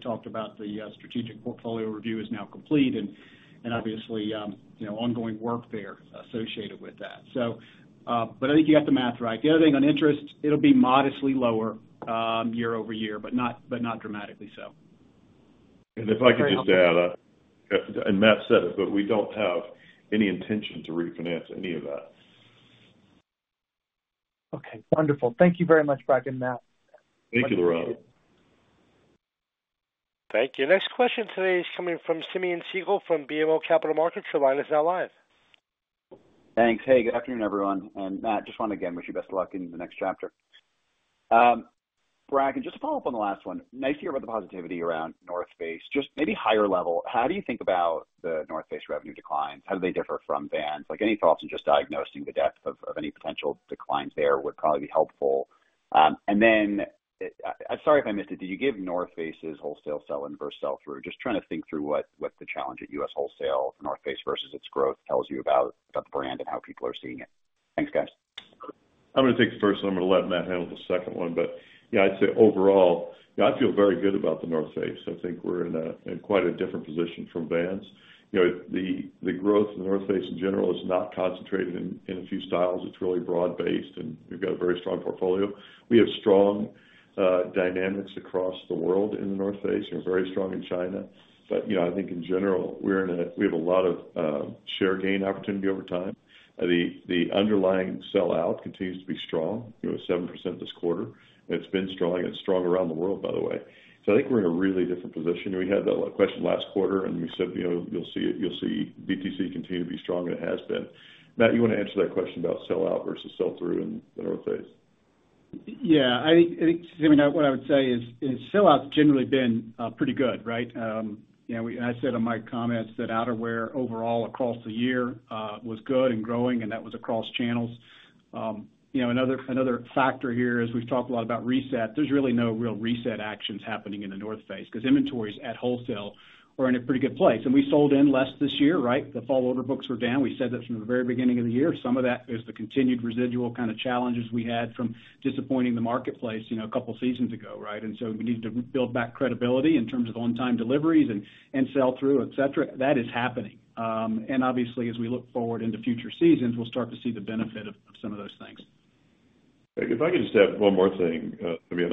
strategic portfolio review is now complete and obviously you know ongoing work there associated with that. So but I think you got the math right. The other thing, on interest, it'll be modestly lower year-over-year, but not dramatically so. And if I could just add, and Matt said it, but we don't have any intention to refinance any of that. Okay, wonderful. Thank you very much, Bracken, Matt. Thank you, Laurent. Thank you. Next question today is coming from Simeon Siegel from BMO Capital Markets. Your line is now live. Thanks. Hey, good afternoon, everyone. And Matt, just want to again wish you best of luck in the next chapter. Bracken, just to follow up on the last one, nice to hear about the positivity around North Face. Just maybe higher level, how do you think about the North Face revenue declines? How do they differ from Vans? Like, any thoughts on just diagnosing the depth of, of any potential declines there would probably be helpful. And then, I'm sorry if I missed it, did you give North Face's wholesale sell-in versus sell-through? Just trying to think through what, what the challenge at U.S. wholesale North Face versus its growth tells you about, about the brand and how people are seeing it. Thanks, guys. I'm gonna take the first one. I'm gonna let Matt handle the second one. But yeah, I'd say overall, I feel very good about The North Face. I think we're in quite a different position from Vans. You know, the growth in The North Face in general is not concentrated in a few styles. It's really broad-based, and we've got a very strong portfolio. We have strong dynamics across the world in The North Face and very strong in China. But, you know, I think in general, we're in a we have a lot of share gain opportunity over time. The underlying sell-out continues to be strong, you know, 7% this quarter, and it's been strong, and it's strong around the world, by the way. So I think we're in a really different position. We had that question last quarter, and we said, "You know, you'll see it. You'll see DTC continue to be strong," and it has been. Matt, you wanna answer that question about sellout versus sell-through in The North Face? Yeah, I think, Simeon, what I would say is sellout's generally been pretty good, right? You know, and I said in my comments that outerwear overall across the year was good and growing, and that was across channels. You know, another factor here is we've talked a lot about Reset. There's really no real Reset actions happening in The North Face, because inventories at wholesale are in a pretty good place. And we sold in less this year, right? The fall order books were down. We said this from the very beginning of the year. Some of that is the continued residual kind of challenges we had from disappointing the marketplace, you know, a couple of seasons ago, right? And so we need to build back credibility in terms of on-time deliveries and sell-through, et cetera. That is happening. Obviously, as we look forward into future seasons, we'll start to see the benefit of some of those things. ... If I could just add one more thing, I mean,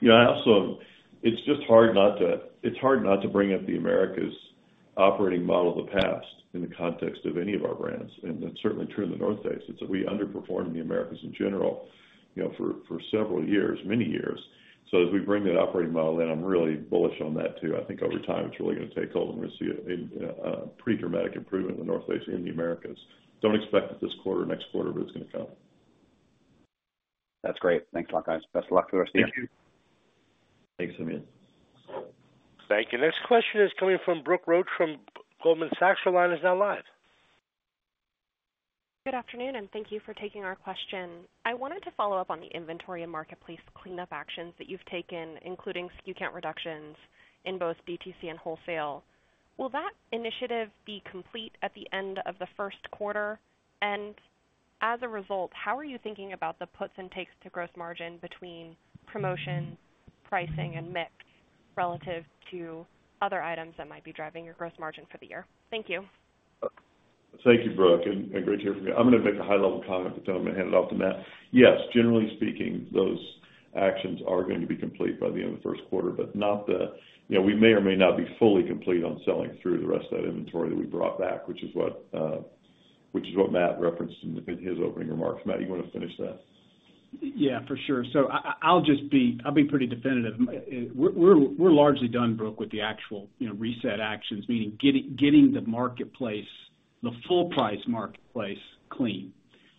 you know, I also—it's just hard not to, it's hard not to bring up the Americas operating model of the past in the context of any of our brands, and that's certainly true in the North Face days. It's that we, underperformed the Americas in general, you know, for several years, many years. So as we bring that operating model in, I'm really bullish on that, too. I think over time, it's really gonna take hold, and we're gonna see a pretty dramatic improvement in The North Face in the Americas. Don't expect it this quarter, or next quarter, but it's gonna come. That's great. Thanks a lot, guys. Best of luck to you. Thank you. Thanks, Simeon. Thank you. Next question is coming from Brooke Roach from Goldman Sachs. Your line is now live. Good afternoon, and thank you for taking our question. I wanted to follow up on the inventory and marketplace cleanup actions that you've taken, including SKU count reductions in both DTC and wholesale. Will that initiative be complete at the end of the Q1? And as a result, how are you thinking about the puts and takes to gross margin between promotion, pricing, and mix, relative to other items that might be driving your gross margin for the year? Thank you. Thank you, Brooke, and great to hear from you. I'm gonna make a high-level comment, but then I'm gonna hand it off to Matt. Yes, generally speaking, those actions are going to be complete by the end of the Q1, but not the... You know, we may or may not be fully complete on selling through the rest of that inventory that we brought back, which is what, which is what Matt referenced in his opening remarks. Matt, you wanna finish that? Yeah, for sure. So I'll be pretty definitive. We're largely done, Brooke, with the actual reset actions, meaning getting the marketplace, the full price marketplace clean,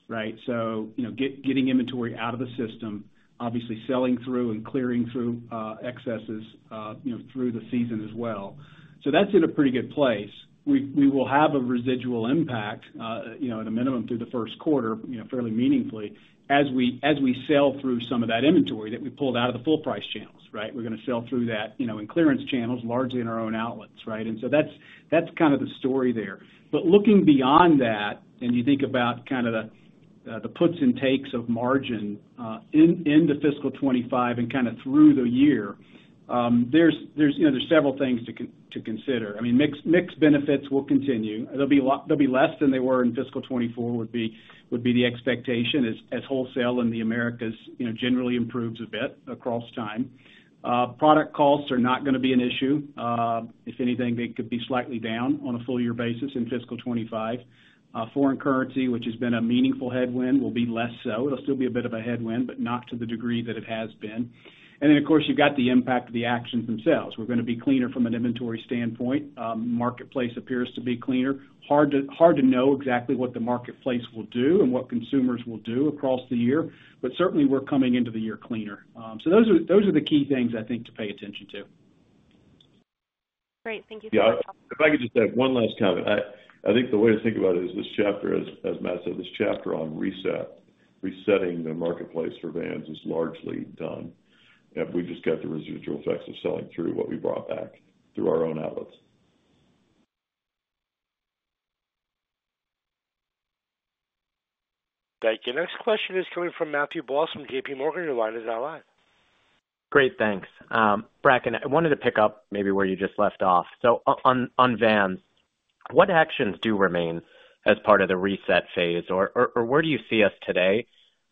right? So, you know, getting inventory out of the system, obviously selling through and clearing through excesses through the season as well. So that's in a pretty good place. We will have a residual impact at a minimum through the Q1, fairly meaningfully, as we sell through some of that inventory that we pulled out of the full price channels, right? We're gonna sell through that in clearance channels, largely in our own outlets, right? And so that's kind of the story there. But looking beyond that, and you think about kinda the puts and takes of margin, in into fiscal 2025 and kinda through the year, there's you know, there's several things to consider. I mean, mix benefits will continue. They'll be less than they were in fiscal 2024, would be the expectation, as wholesale in the Americas you know, generally improves a bit across time. Product costs are not gonna be an issue. If anything, they could be slightly down on a full year basis in fiscal 2025. Foreign currency, which has been a meaningful headwind, will be less so. It'll still be a bit of a headwind, but not to the degree that it has been. And then, of course, you've got the impact of the actions themselves. We're gonna be cleaner from an inventory standpoint. Marketplace appears to be cleaner. Hard to, hard to know exactly what the marketplace will do and what consumers will do across the year, but certainly we're coming into the year cleaner. So those are, those are the key things I think to pay attention to. Great. Thank you so much. Yeah, if I could just add one last comment. I think the way to think about it is this chapter, as Matt said, this chapter on Reset, resetting the marketplace for Vans is largely done, and we just got the residual effects of selling through what we brought back through our own outlets. Thank you. Next question is coming from Matthew Boss from J.P. Morgan. Your line is now live. Great, thanks. Bracken, I wanted to pick up maybe where you just left off. So on Vans, what actions do remain as part of the reset phase? Or where do you see us today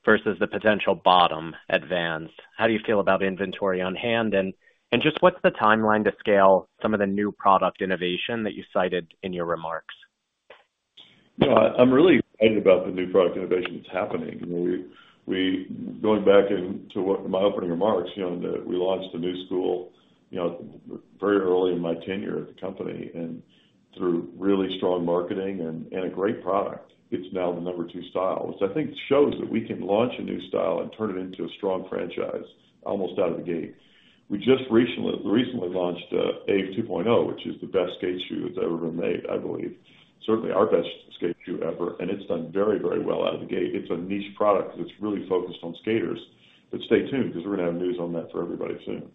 versus the potential bottom at Vans? How do you feel about inventory on hand, and just what's the timeline to scale some of the new product innovation that you cited in your remarks? You know, I, I'm really excited about the new product innovation that's happening. You know, we going back into my opening remarks, you know, that we launched a Knu Skool, you know, very early in my tenure at the company, and through really strong marketing and a great product, it's now the number two style, which I think shows that we can launch a new style and turn it into a strong franchise almost out of the gate. We just recently launched AVE 2.0, which is the best skate shoe that's ever been made, I believe. Certainly our best skate shoe ever, and it's done very, very well out of the gate. It's a niche product that's really focused on skaters. But stay tuned, because we're gonna have news on that for everybody soon.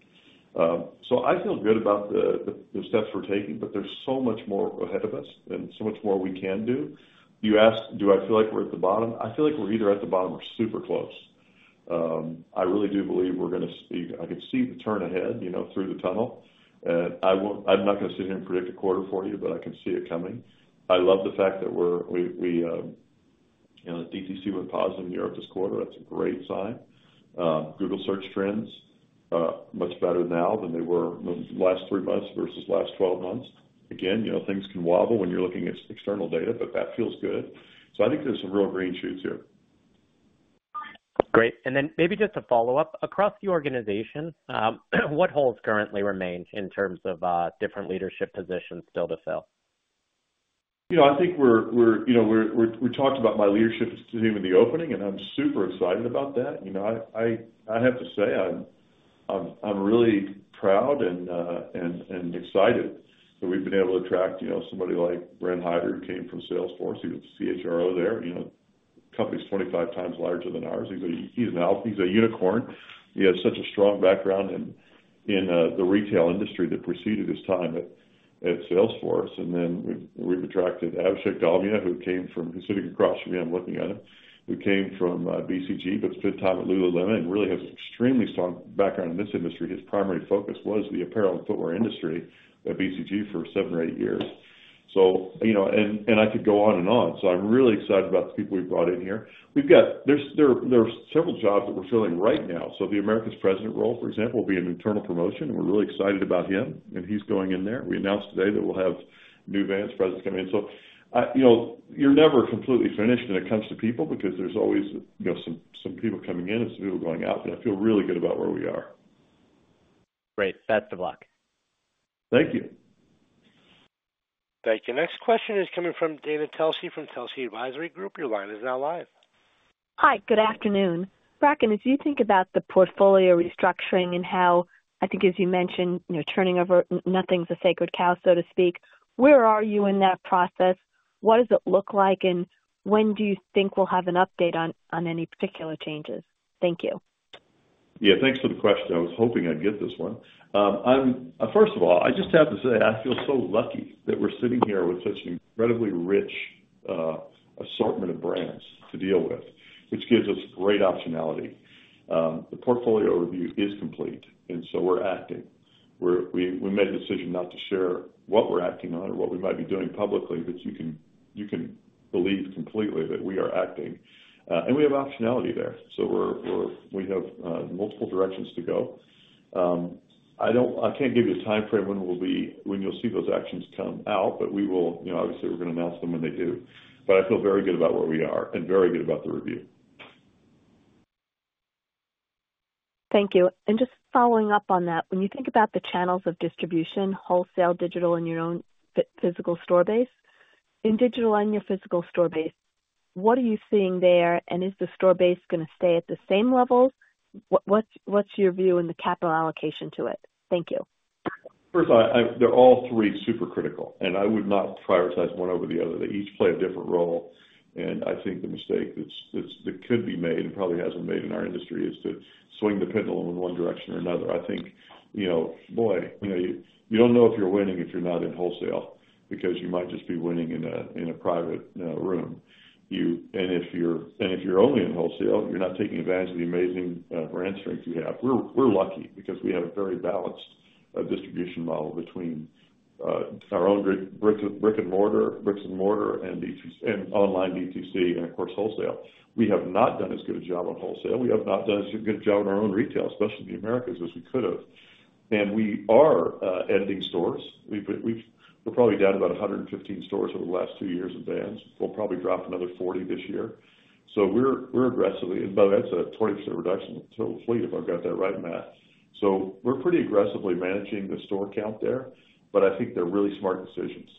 So I feel good about the steps we're taking, but there's so much more ahead of us and so much more we can do. You asked, do I feel like we're at the bottom? I feel like we're either at the bottom or super close. I really do believe we're gonna see... I can see the turn ahead, you know, through the tunnel, and I won't. I'm not gonna sit here and predict a quarter for you, but I can see it coming. I love the fact that we're, you know, DTC went positive in Europe this quarter. That's a great sign. Google search trends much better now than they were the last three months versus last 12 months. Again, you know, things can wobble when you're looking at external data, but that feels good. I think there's some real green shoots here. Great. And then maybe just a follow-up: across the organization, what holes currently remain in terms of different leadership positions still to fill? You know, I think we're—we talked about my leadership team in the opening, and I'm super excited about that. You know, I have to say, I'm really proud and excited that we've been able to attract, you know, somebody like Brent Hyder, who came from Salesforce. He was CHRO there. You know, company's 25 times larger than ours, but he's a unicorn. He has such a strong background in the retail industry that preceded his time at Salesforce. And then we've attracted Abhishek Dalmia, who came from... He's sitting across from me, I'm looking at him. Who came from BCG, but spent time at Lululemon, and really has extremely strong background in this industry. His primary focus was the apparel and footwear industry at BCG for seven or eight years. So, you know, and I could go on and on. So I'm really excited about the people we've brought in here. We've got. There are several jobs that we're filling right now. So the Americas president role, for example, will be an internal promotion, and we're really excited about him, and he's going in there. We announced today that we'll have new Vans presidents coming in. So, you know, you're never completely finished when it comes to people, because there's always, you know, some people coming in and some people going out, and I feel really good about where we are. Great. Best of luck. Thank you. Thank you. Next question is coming from Dana Telsey from Telsey Advisory Group. Your line is now live. Hi, good afternoon. Bracken, as you think about the portfolio restructuring and how I think as you mentioned, you know, turning over nothing's a sacred cow, so to speak, where are you in that process? What does it look like, and when do you think we'll have an update on any particular changes? Thank you. Yeah, thanks for the question. I was hoping I'd get this one. I'm first of all, I just have to say, I feel so lucky that we're sitting here with such an incredibly rich assortment of brands to deal with, which gives us great optionality. The portfolio review is complete, and so we're acting. We made a decision not to share what we're acting on or what we might be doing publicly, but you can, you can believe completely that we are acting. And we have optionality there, so we have multiple directions to go. I can't give you a timeframe when you'll see those actions come out, but we will, you know, obviously, we're going to announce them when they do. But I feel very good about where we are and very good about the review. Thank you. Just following up on that, when you think about the channels of distribution, wholesale, digital, and your own physical store base, in digital and your physical store base, what are you seeing there, and is the store base gonna stay at the same levels? What’s your view in the capital allocation to it? Thank you. First, they're all three super critical, and I would not prioritize one over the other. They each play a different role, and I think the mistake that could be made and probably hasn't been made in our industry is to swing the pendulum in one direction or another. I think, you know, boy, you know, you don't know if you're winning if you're not in wholesale, because you might just be winning in a private room. And if you're only in wholesale, you're not taking advantage of the amazing brand strength you have. We're lucky because we have a very balanced distribution model between our own brick and mortar and DTC and online DTC and, of course, wholesale. We have not done as good a job on wholesale. We have not done as good a job in our own retail, especially in the Americas, as we could have. We are ending stores. We're probably down about 115 stores over the last two years at Vans. We'll probably drop another 40 this year. So we're aggressively... By the way, that's a 20% reduction to the fleet, if I've got that right, Matt. So we're pretty aggressively managing the store count there, but I think they're really smart decisions.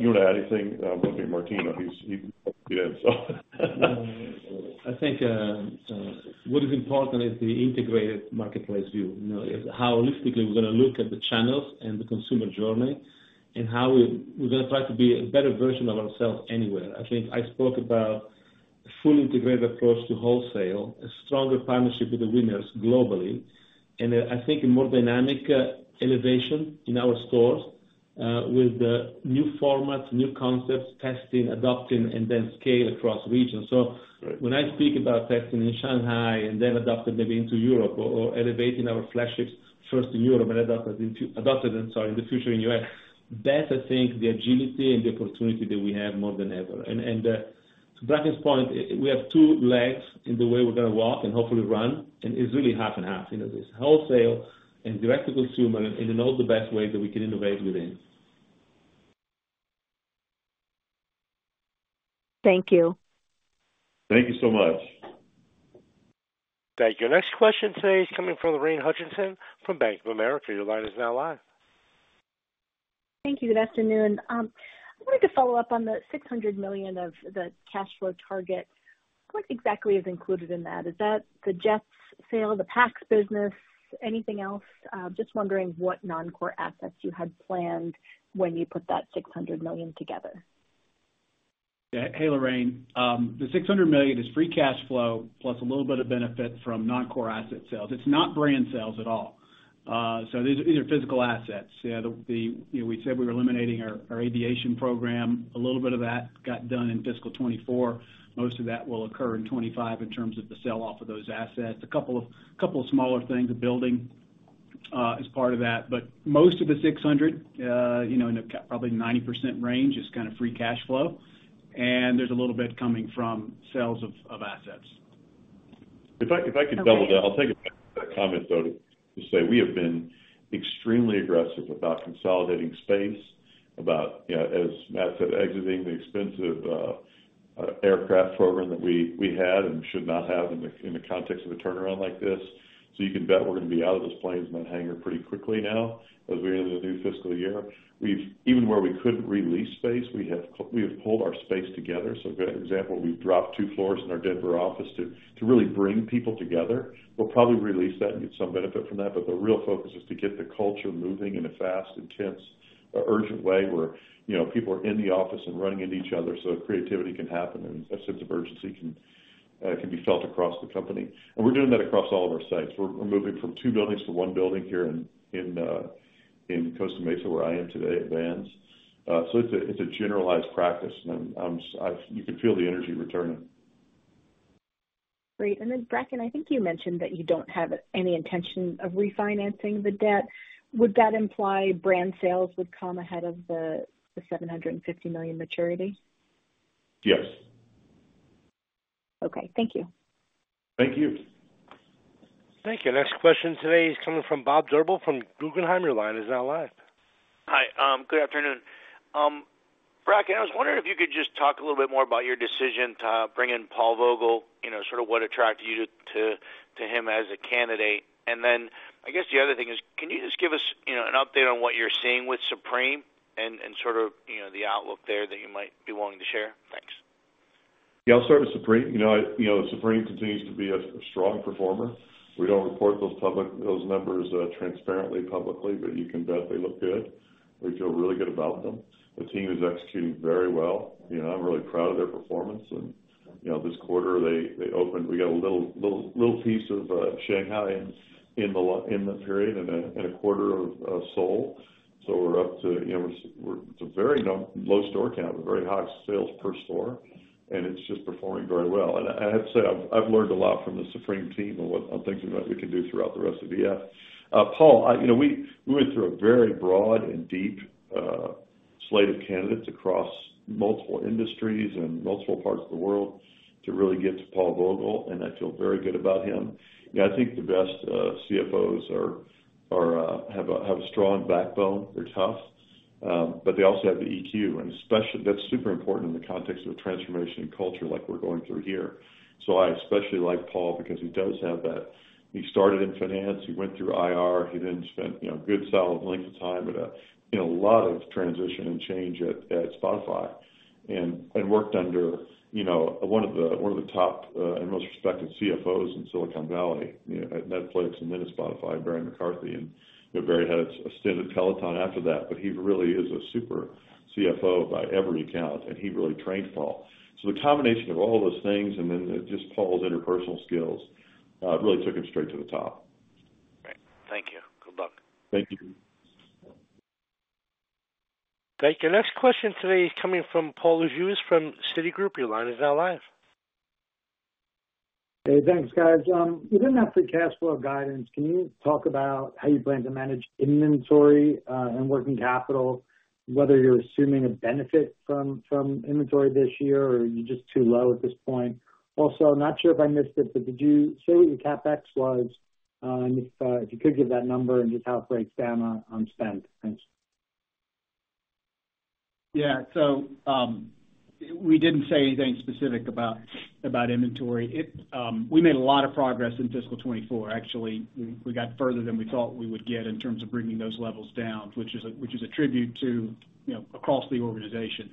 You want to add anything, Martino? He can help you in, so. I think, what is important is the integrated marketplace view. You know, how holistically we're gonna look at the channels and the consumer journey, and how we're, we're gonna try to be a better version of ourselves anywhere. I think I spoke about a fully integrated approach to wholesale, a stronger partnership with the winners globally, and, I think a more dynamic, elevation in our stores, with, new formats, new concepts, testing, adopting, and then scale across regions. Right. When I speak about testing in Shanghai and then adopting maybe into Europe or elevating our flagships first in Europe and adopting in the future in the US, that's, I think, the agility and the opportunity that we have more than ever. And to Bracken's point, we have two legs in the way we're gonna walk and hopefully run, and it's really half and half. You know, there's wholesale and direct to consumer, and in all the best ways that we can innovate within. Thank you. Thank you so much. Thank you. Next question today is coming from Lorraine Hutchinson from Bank of America. Your line is now live. Thank you. Good afternoon. I wanted to follow up on the $600 million of the cash flow target. What exactly is included in that? Is that the jets sale, the Packs business, anything else? Just wondering what non-core assets you had planned when you put that $600 million together. Yeah. Hey, Lorraine. The $600 million is free cash flow, plus a little bit of benefit from non-core asset sales. It's not brand sales at all. So these are physical assets. Yeah, the you know, we said we were eliminating our aviation program. A little bit of that got done in fiscal 2024. Most of that will occur in 2025 in terms of the sell-off of those assets. Couple of smaller things, a building as part of that, but most of the $600 million you know, probably 90% range, is kind of free cash flow, and there's a little bit coming from sales of assets. If I could double down- Okay. I'll take a comment, though, to say we have been extremely aggressive about consolidating space, about, you know, as Matt said, exiting the expensive aircraft program that we had and should not have in the context of a turnaround like this. So you can bet we're gonna be out of those planes and that hangar pretty quickly now, as we enter the new fiscal year. We've even where we couldn't release space, we have pulled our space together. So a good example, we've dropped two floors in our Denver office to really bring people together. We'll probably release that and get some benefit from that, but the real focus is to get the culture moving in a fast, intense, urgent way, where, you know, people are in the office and running into each other, so creativity can happen and a sense of urgency can be felt across the company. And we're doing that across all of our sites. We're moving from two buildings to one building here in Costa Mesa, where I am today at Vans. So it's a generalized practice, and you can feel the energy returning. Great! And then, Bracken, I think you mentioned that you don't have any intention of refinancing the debt. Would that imply brand sales would come ahead of the $750 million maturity? Yes. Okay. Thank you. Thank you. Thank you. Next question today is coming from Bob Drbul from Guggenheim. Your line is now live. Hi, good afternoon. Bracken, I was wondering if you could just talk a little bit more about your decision to bring in Paul Vogel, you know, sort of what attracted you to him as a candidate. And then I guess the other thing is, can you just give us, you know, an update on what you're seeing with Supreme and sort of, you know, the outlook there that you might be willing to share? Thanks. Yeah, I'll start with Supreme. You know, Supreme continues to be a strong performer. We don't report those numbers transparently, publicly, but you can bet they look good. We feel really good about them. The team has executed very well. You know, I'm really proud of their performance. And, you know, this quarter, they opened. We got a little piece of Shanghai in the period and a quarter of Seoul. So we're up to, you know, it's a very low store count, but very high sales per store, and it's just performing very well. And I have to say, I've learned a lot from the Supreme team on things that we can do throughout the rest of the year. Paul, you know, we went through a very broad and deep slate of candidates across multiple industries and multiple parts of the world to really get to Paul Vogel, and I feel very good about him. You know, I think the best CFOs have a strong backbone. They're tough, but they also have the EQ, and especially, that's super important in the context of a transformation in culture like we're going through here. So I especially like Paul because he does have that. He started in finance, he went through IR, he then spent, you know, a good solid length of time at a, you know, a lot of transition and change at Spotify. And worked under, you know, one of the top and most respected CFOs in Silicon Valley, you know, at Netflix and then at Spotify, Barry McCarthy. And, you know, Barry had a stint at Peloton after that, but he really is a super CFO by every account, and he really trained Paul. So the combination of all those things, and then just Paul's interpersonal skills really took him straight to the top. Great. Thank you. Good luck. Thank you. Thank you. Next question today is coming from Paul Lejuez from Citigroup. Your line is now live. Hey, thanks, guys. Within that free cash flow guidance, can you talk about how you plan to manage inventory, and working capital, whether you're assuming a benefit from inventory this year, or are you just too low at this point? Also, I'm not sure if I missed it, but did you say what your CapEx was? And if you could give that number and just how it breaks down on spend. Thanks. Yeah. So, we didn't say anything specific about inventory. We made a lot of progress in fiscal 2024. Actually, we got further than we thought we would get in terms of bringing those levels down, which is a tribute to, you know, across the organization,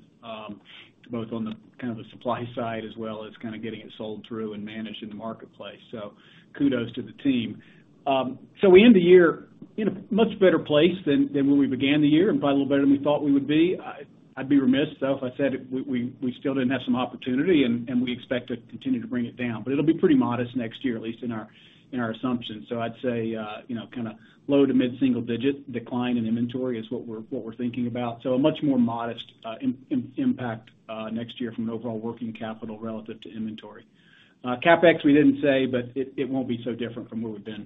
both on the supply side, as well as kind of getting it sold through and managed in the marketplace. So kudos to the team. So we end the year in a much better place than when we began the year, and probably a little better than we thought we would be. I'd be remiss, though, if I said it, we still didn't have some opportunity, and we expect to continue to bring it down. But it'll be pretty modest next year, at least in our assumptions. So I'd say, you know, kinda low- to mid-single-digit decline in inventory is what we're thinking about. So a much more modest impact next year from an overall working capital relative to inventory. CapEx, we didn't say, but it won't be so different from where we've been.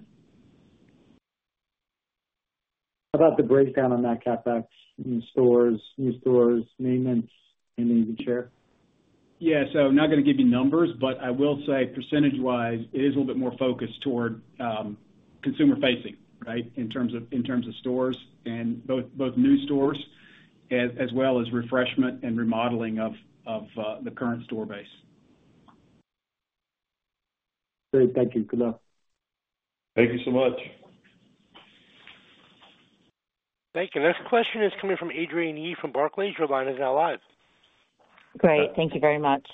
How about the breakdown on that CapEx in stores, new stores, maintenance? Anything you can share? Yeah. So I'm not gonna give you numbers, but I will say percentage-wise, it is a little bit more focused toward, consumer-facing, right, in terms of, in terms of stores and both, both new stores, as, as well as refreshment and remodeling of the current store base. Great. Thank you. Good luck. Thank you so much. Thank you. Next question is coming from Adrienne Yih from Barclays. Your line is now live. Great. Thank you very much.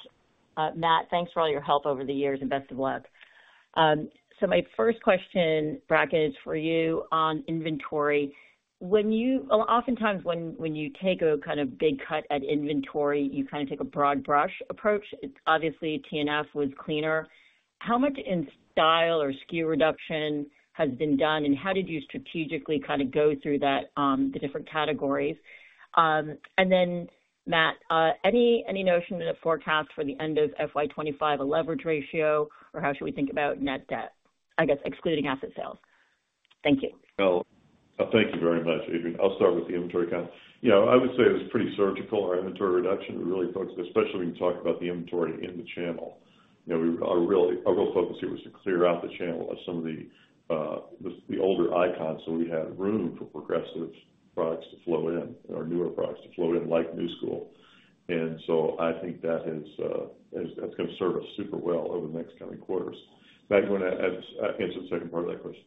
Matt, thanks for all your help over the years, and best of luck. So my first question, Bracken, is for you on inventory. Oftentimes, when you take a kind of big cut at inventory, you kind of take a broad brush approach. Obviously, TNF was cleaner. How much in style or SKU reduction has been done, and how did you strategically kind of go through that, the different categories? And then, Matt, any notion in the forecast for the end of FY 2025, a leverage ratio, or how should we think about net debt, I guess, excluding asset sales? Thank you. Well, thank you very much, Adrienne. I'll start with the inventory count. You know, I would say it was pretty surgical, our inventory reduction. We really focused, especially when you talk about the inventory in the channel. You know, we—our real, our real focus here was to clear out the channel of some of the, the, the older icons, so we had room for progressive products to flow in and our newer products to flow in, like Knu Skool. And so I think that has, that's, that's gonna serve us super well over the next coming quarters. Matt, you wanna add, answer the second part of that question?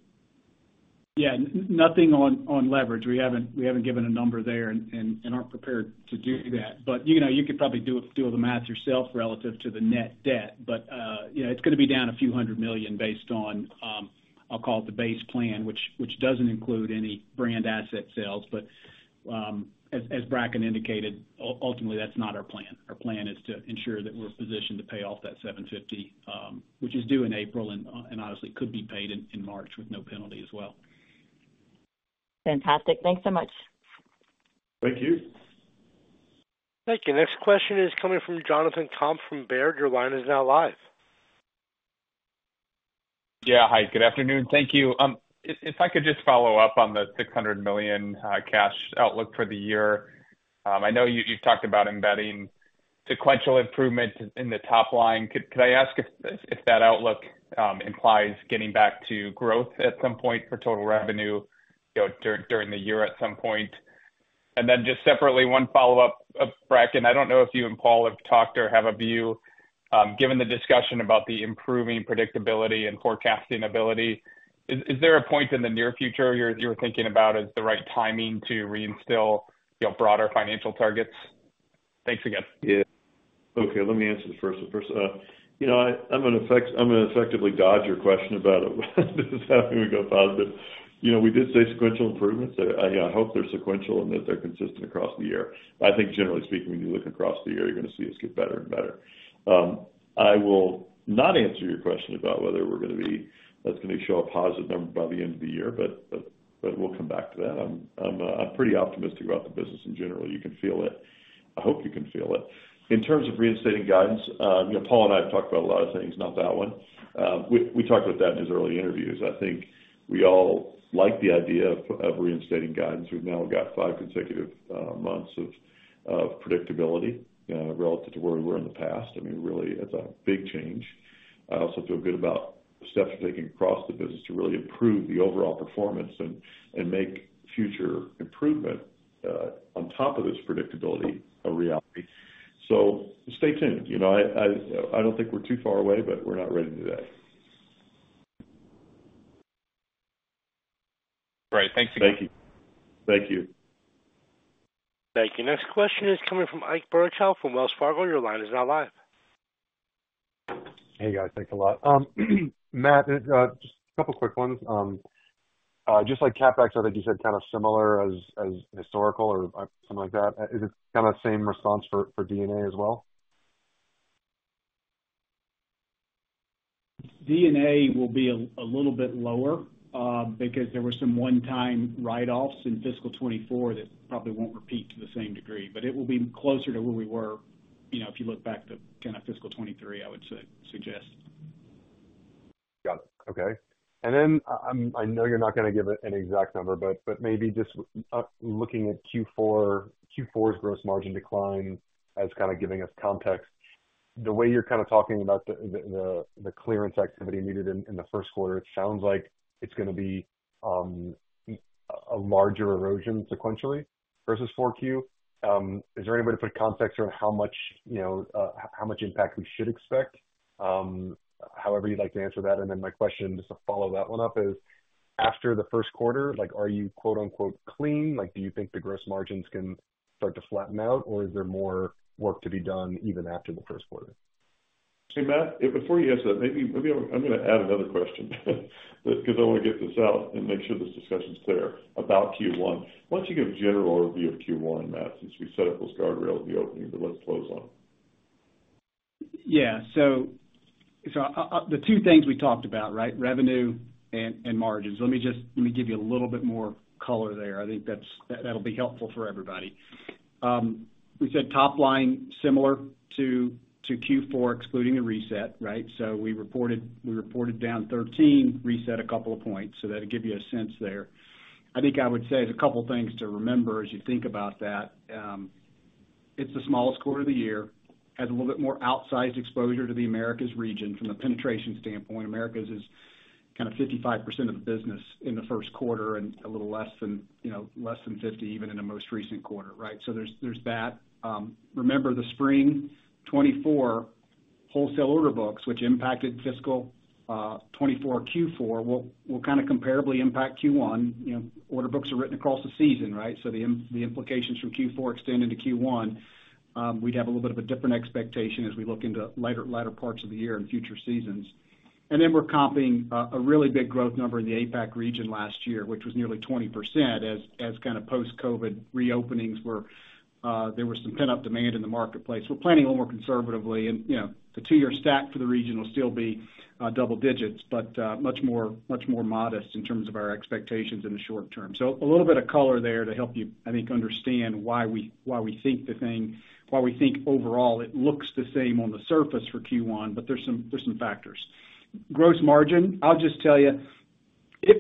Yeah. Nothing on leverage. We haven't given a number there and aren't prepared to do that. But, you know, you could probably do the math yourself relative to the net debt. But, you know, it's gonna be down $a few hundred million based on, I'll call it the base plan, which doesn't include any brand asset sales. But, as Bracken indicated, ultimately, that's not our plan. Our plan is to ensure that we're positioned to pay off that $750 million, which is due in April, and obviously could be paid in March with no penalty as well. Fantastic. Thanks so much. Thank you. Thank you. Next question is coming from Jonathan Komp from Baird. Your line is now live. Yeah. Hi, good afternoon. Thank you. If, if I could just follow up on the $600 million cash outlook for the year. I know you, you've talked about embedding sequential improvement in the top line. Could, could I ask if, if that outlook implies getting back to growth at some point for total revenue, you know, during the year at some point? And then just separately, one follow-up, Bracken, I don't know if you and Paul have talked or have a view, given the discussion about the improving predictability and forecasting ability, is, is there a point in the near future you're, you're thinking about as the right timing to reinstill, you know, broader financial targets? Thanks again. Yeah. Okay, let me answer the first one first. You know, I'm gonna effectively dodge your question about this happening to go positive. You know, we did say sequential improvements. I hope they're sequential and that they're consistent across the year. I think generally speaking, when you look across the year, you're gonna see us get better and better. I will not answer your question about whether we're gonna be... that's gonna show a positive number by the end of the year, but we'll come back to that. I'm pretty optimistic about the business in general. You can feel it. I hope you can feel it. In terms of reinstating guidance, you know, Paul and I have talked about a lot of things, not that one. We talked about that in his early interviews. I think we all like the idea of reinstating guidance. We've now got five consecutive months of predictability relative to where we were in the past. I mean, really, it's a big change. I also feel good about the steps we're taking across the business to really improve the overall performance and make future improvement on top of this predictability, a reality. So stay tuned. You know, I don't think we're too far away, but we're not ready today. Great. Thanks again. Thank you. Thank you. Thank you. Next question is coming from Ike Boruchow from Wells Fargo. Your line is now live. Hey, guys, thanks a lot. Matt, just a couple quick ones. Just like CapEx, I think you said, kind of similar as historical or something like that. Is it kind of the same response for D&A as well? D&A will be a little bit lower, because there were some one-time write-offs in fiscal 2024 that probably won't repeat to the same degree, but it will be closer to where we were, you know, if you look back to kind of fiscal 2023. I would suggest. Got it. Okay. And then, I, I know you're not gonna give an exact number, but maybe just looking at Q4's gross margin decline as kind of giving us context. The way you're kind of talking about the clearance activity needed in the Q1, it sounds like it's gonna be a larger erosion sequentially versus 4Q. Is there any way to put context around how much, you know, how much impact we should expect? However you'd like to answer that, and then my question, just to follow that one up, is after the Q1, like, are you, quote, unquote, "clean?" Like, do you think the gross margins can start to flatten out, or is there more work to be done even after the Q1? Hey, Matt, before you answer that, maybe I'm gonna add another question, because I want to get this out and make sure this discussion's clear about Q1. Why don't you give a general overview of Q1, Matt, since we set up those guardrails at the opening, but let's close on them. Yeah. So, the two things we talked about, right? Revenue and, and margins. Let me give you a little bit more color there. I think that's, that'll be helpful for everybody. We said top line, similar to Q4, excluding the Reset, right? So we reported down 13, Reset a couple of points. So that'll give you a sense there. I think I would say there's a couple things to remember as you think about that. It's the smallest quarter of the year, has a little bit more outsized exposure to the Americas region. From a penetration standpoint, Americas is kind of 55% of the business in the Q1 and a little less than, you know, less than 50, even in the most recent quarter, right? So there's that. Remember, the spring 2024 wholesale order books, which impacted fiscal 2024 Q4, will kind of comparably impact Q1. You know, order books are written across the season, right? So the implications from Q4 extend into Q1. We'd have a little bit of a different expectation as we look into later, latter parts of the year in future seasons. And then we're comping a really big growth number in the APAC region last year, which was nearly 20%, as kind of post-COVID reopenings were, there was some pent-up demand in the marketplace. We're planning a little more conservatively and, you know, the two-year stack for the region will still be double digits, but much more modest in terms of our expectations in the short term. So a little bit of color there to help you, I think, understand why we think overall it looks the same on the surface for Q1, but there's some factors. Gross margin, I'll just tell you,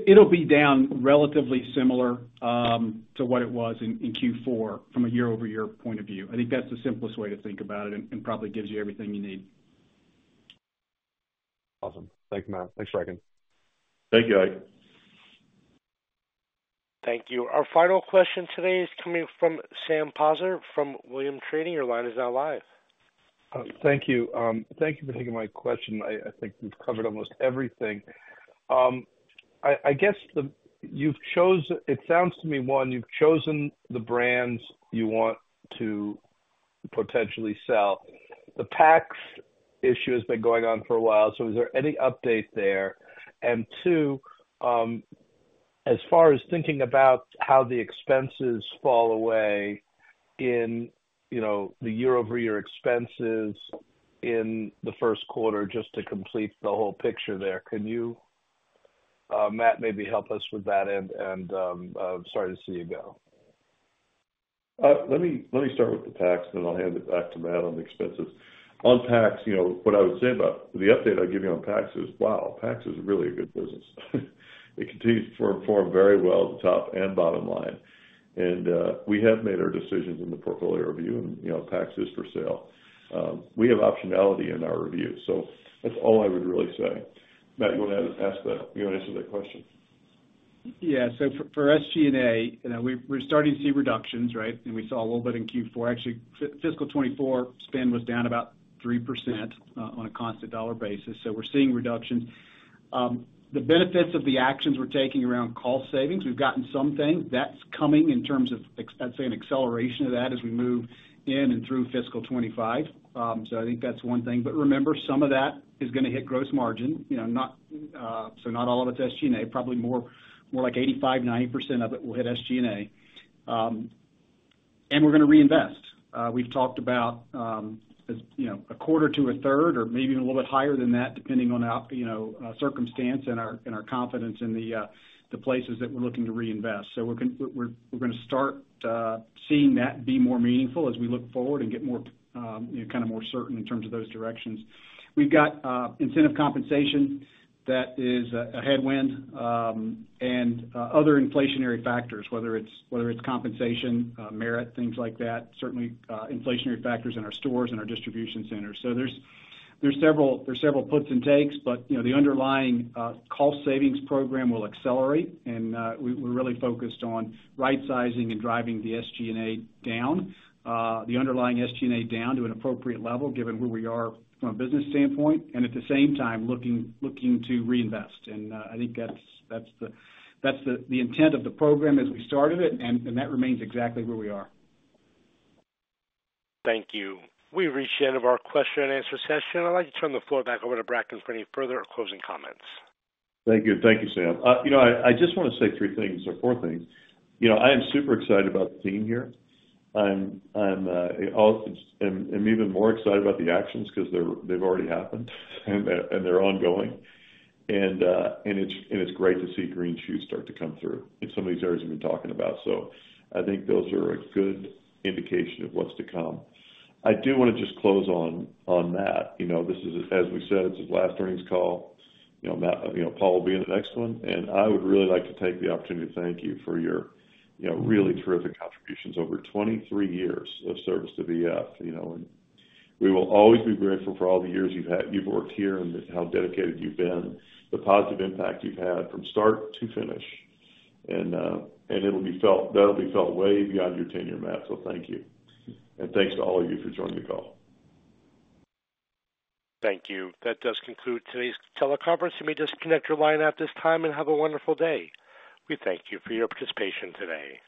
it'll be down relatively similar to what it was in Q4 from a year-over-year point of view. I think that's the simplest way to think about it and probably gives you everything you need. Awesome. Thanks, Matt. Thanks, Bracken. Thank you, Ike. Thank you. Our final question today is coming from Sam Poser from Williams Trading. Your line is now live. Thank you. Thank you for taking my question. I think you've covered almost everything. I guess it sounds to me, one, you've chosen the brands you want to potentially sell. The tax issue has been going on for a while, so is there any update there? And two, as far as thinking about how the expenses fall away in, you know, the year-over-year expenses in the Q1, just to complete the whole picture there, can you-... Matt, maybe help us with that and, and, sorry to see you go. Let me start with the tax, then I'll hand it back to Matt on the expenses. On tax, you know, what I would say about the update I'd give you on PACS is, wow, PACS is really a good business. It continues to perform very well at the top and bottom line. And we have made our decisions in the portfolio review, and, you know, PACS is for sale. We have optionality in our review, so that's all I would really say. Matt, you wanna add to that, you wanna answer that question? Yeah. So for SG&A, you know, we, we're starting to see reductions, right? And we saw a little bit in Q4. Actually, fiscal 2024 spend was down about 3% on a constant dollar basis. So we're seeing reductions. The benefits of the actions we're taking around cost savings, we've gotten some things. That's coming in terms of an acceleration of that as we move in and through fiscal 2025. So I think that's one thing. But remember, some of that is gonna hit gross margin, you know, not, so not all of it's SG&A, probably more like 85%-90% of it will hit SG&A. And we're gonna reinvest. We've talked about, as you know, 25%-33%, or maybe even a little bit higher than that, depending on our circumstances and our confidence in the places that we're looking to reinvest. So we're gonna start seeing that be more meaningful as we look forward and get more, you know, kind of, more certain in terms of those directions. We've got incentive compensation that is a headwind, and other inflationary factors, whether it's compensation, merit, things like that, certainly, inflationary factors in our stores and our distribution centers. So there's several gives and takes, but you know, the underlying cost savings program will accelerate, and we're really focused on right-sizing and driving the SG&A down, the underlying SG&A down to an appropriate level, given where we are from a business standpoint, and at the same time, looking to reinvest. And I think that's the intent of the program as we started it, and that remains exactly where we are. Thank you. We've reached the end of our question and answer session. I'd like to turn the floor back over to Bracken for any further closing comments. Thank you. Thank you, Sam. You know, I just wanna say three things or four things. You know, I am super excited about the team here. I'm and even more excited about the actions, 'cause they've already happened, and they're ongoing. And it's great to see green shoots start to come through in some of these areas we've been talking about. So I think those are a good indication of what's to come. I do wanna just close on Matt. You know, this is, as we said, it's his last earnings call. You know, Matt, you know, Paul will be in the next one, and I would really like to take the opportunity to thank you for your, you know, really terrific contributions over 23 years of service to VF. You know, we will always be grateful for all the years you've worked here and how dedicated you've been, the positive impact you've had from start to finish. And it'll be felt way beyond your tenure, Matt, so thank you. And thanks to all of you for joining the call. Thank you. That does conclude today's teleconference. You may disconnect your line at this time, and have a wonderful day. We thank you for your participation today.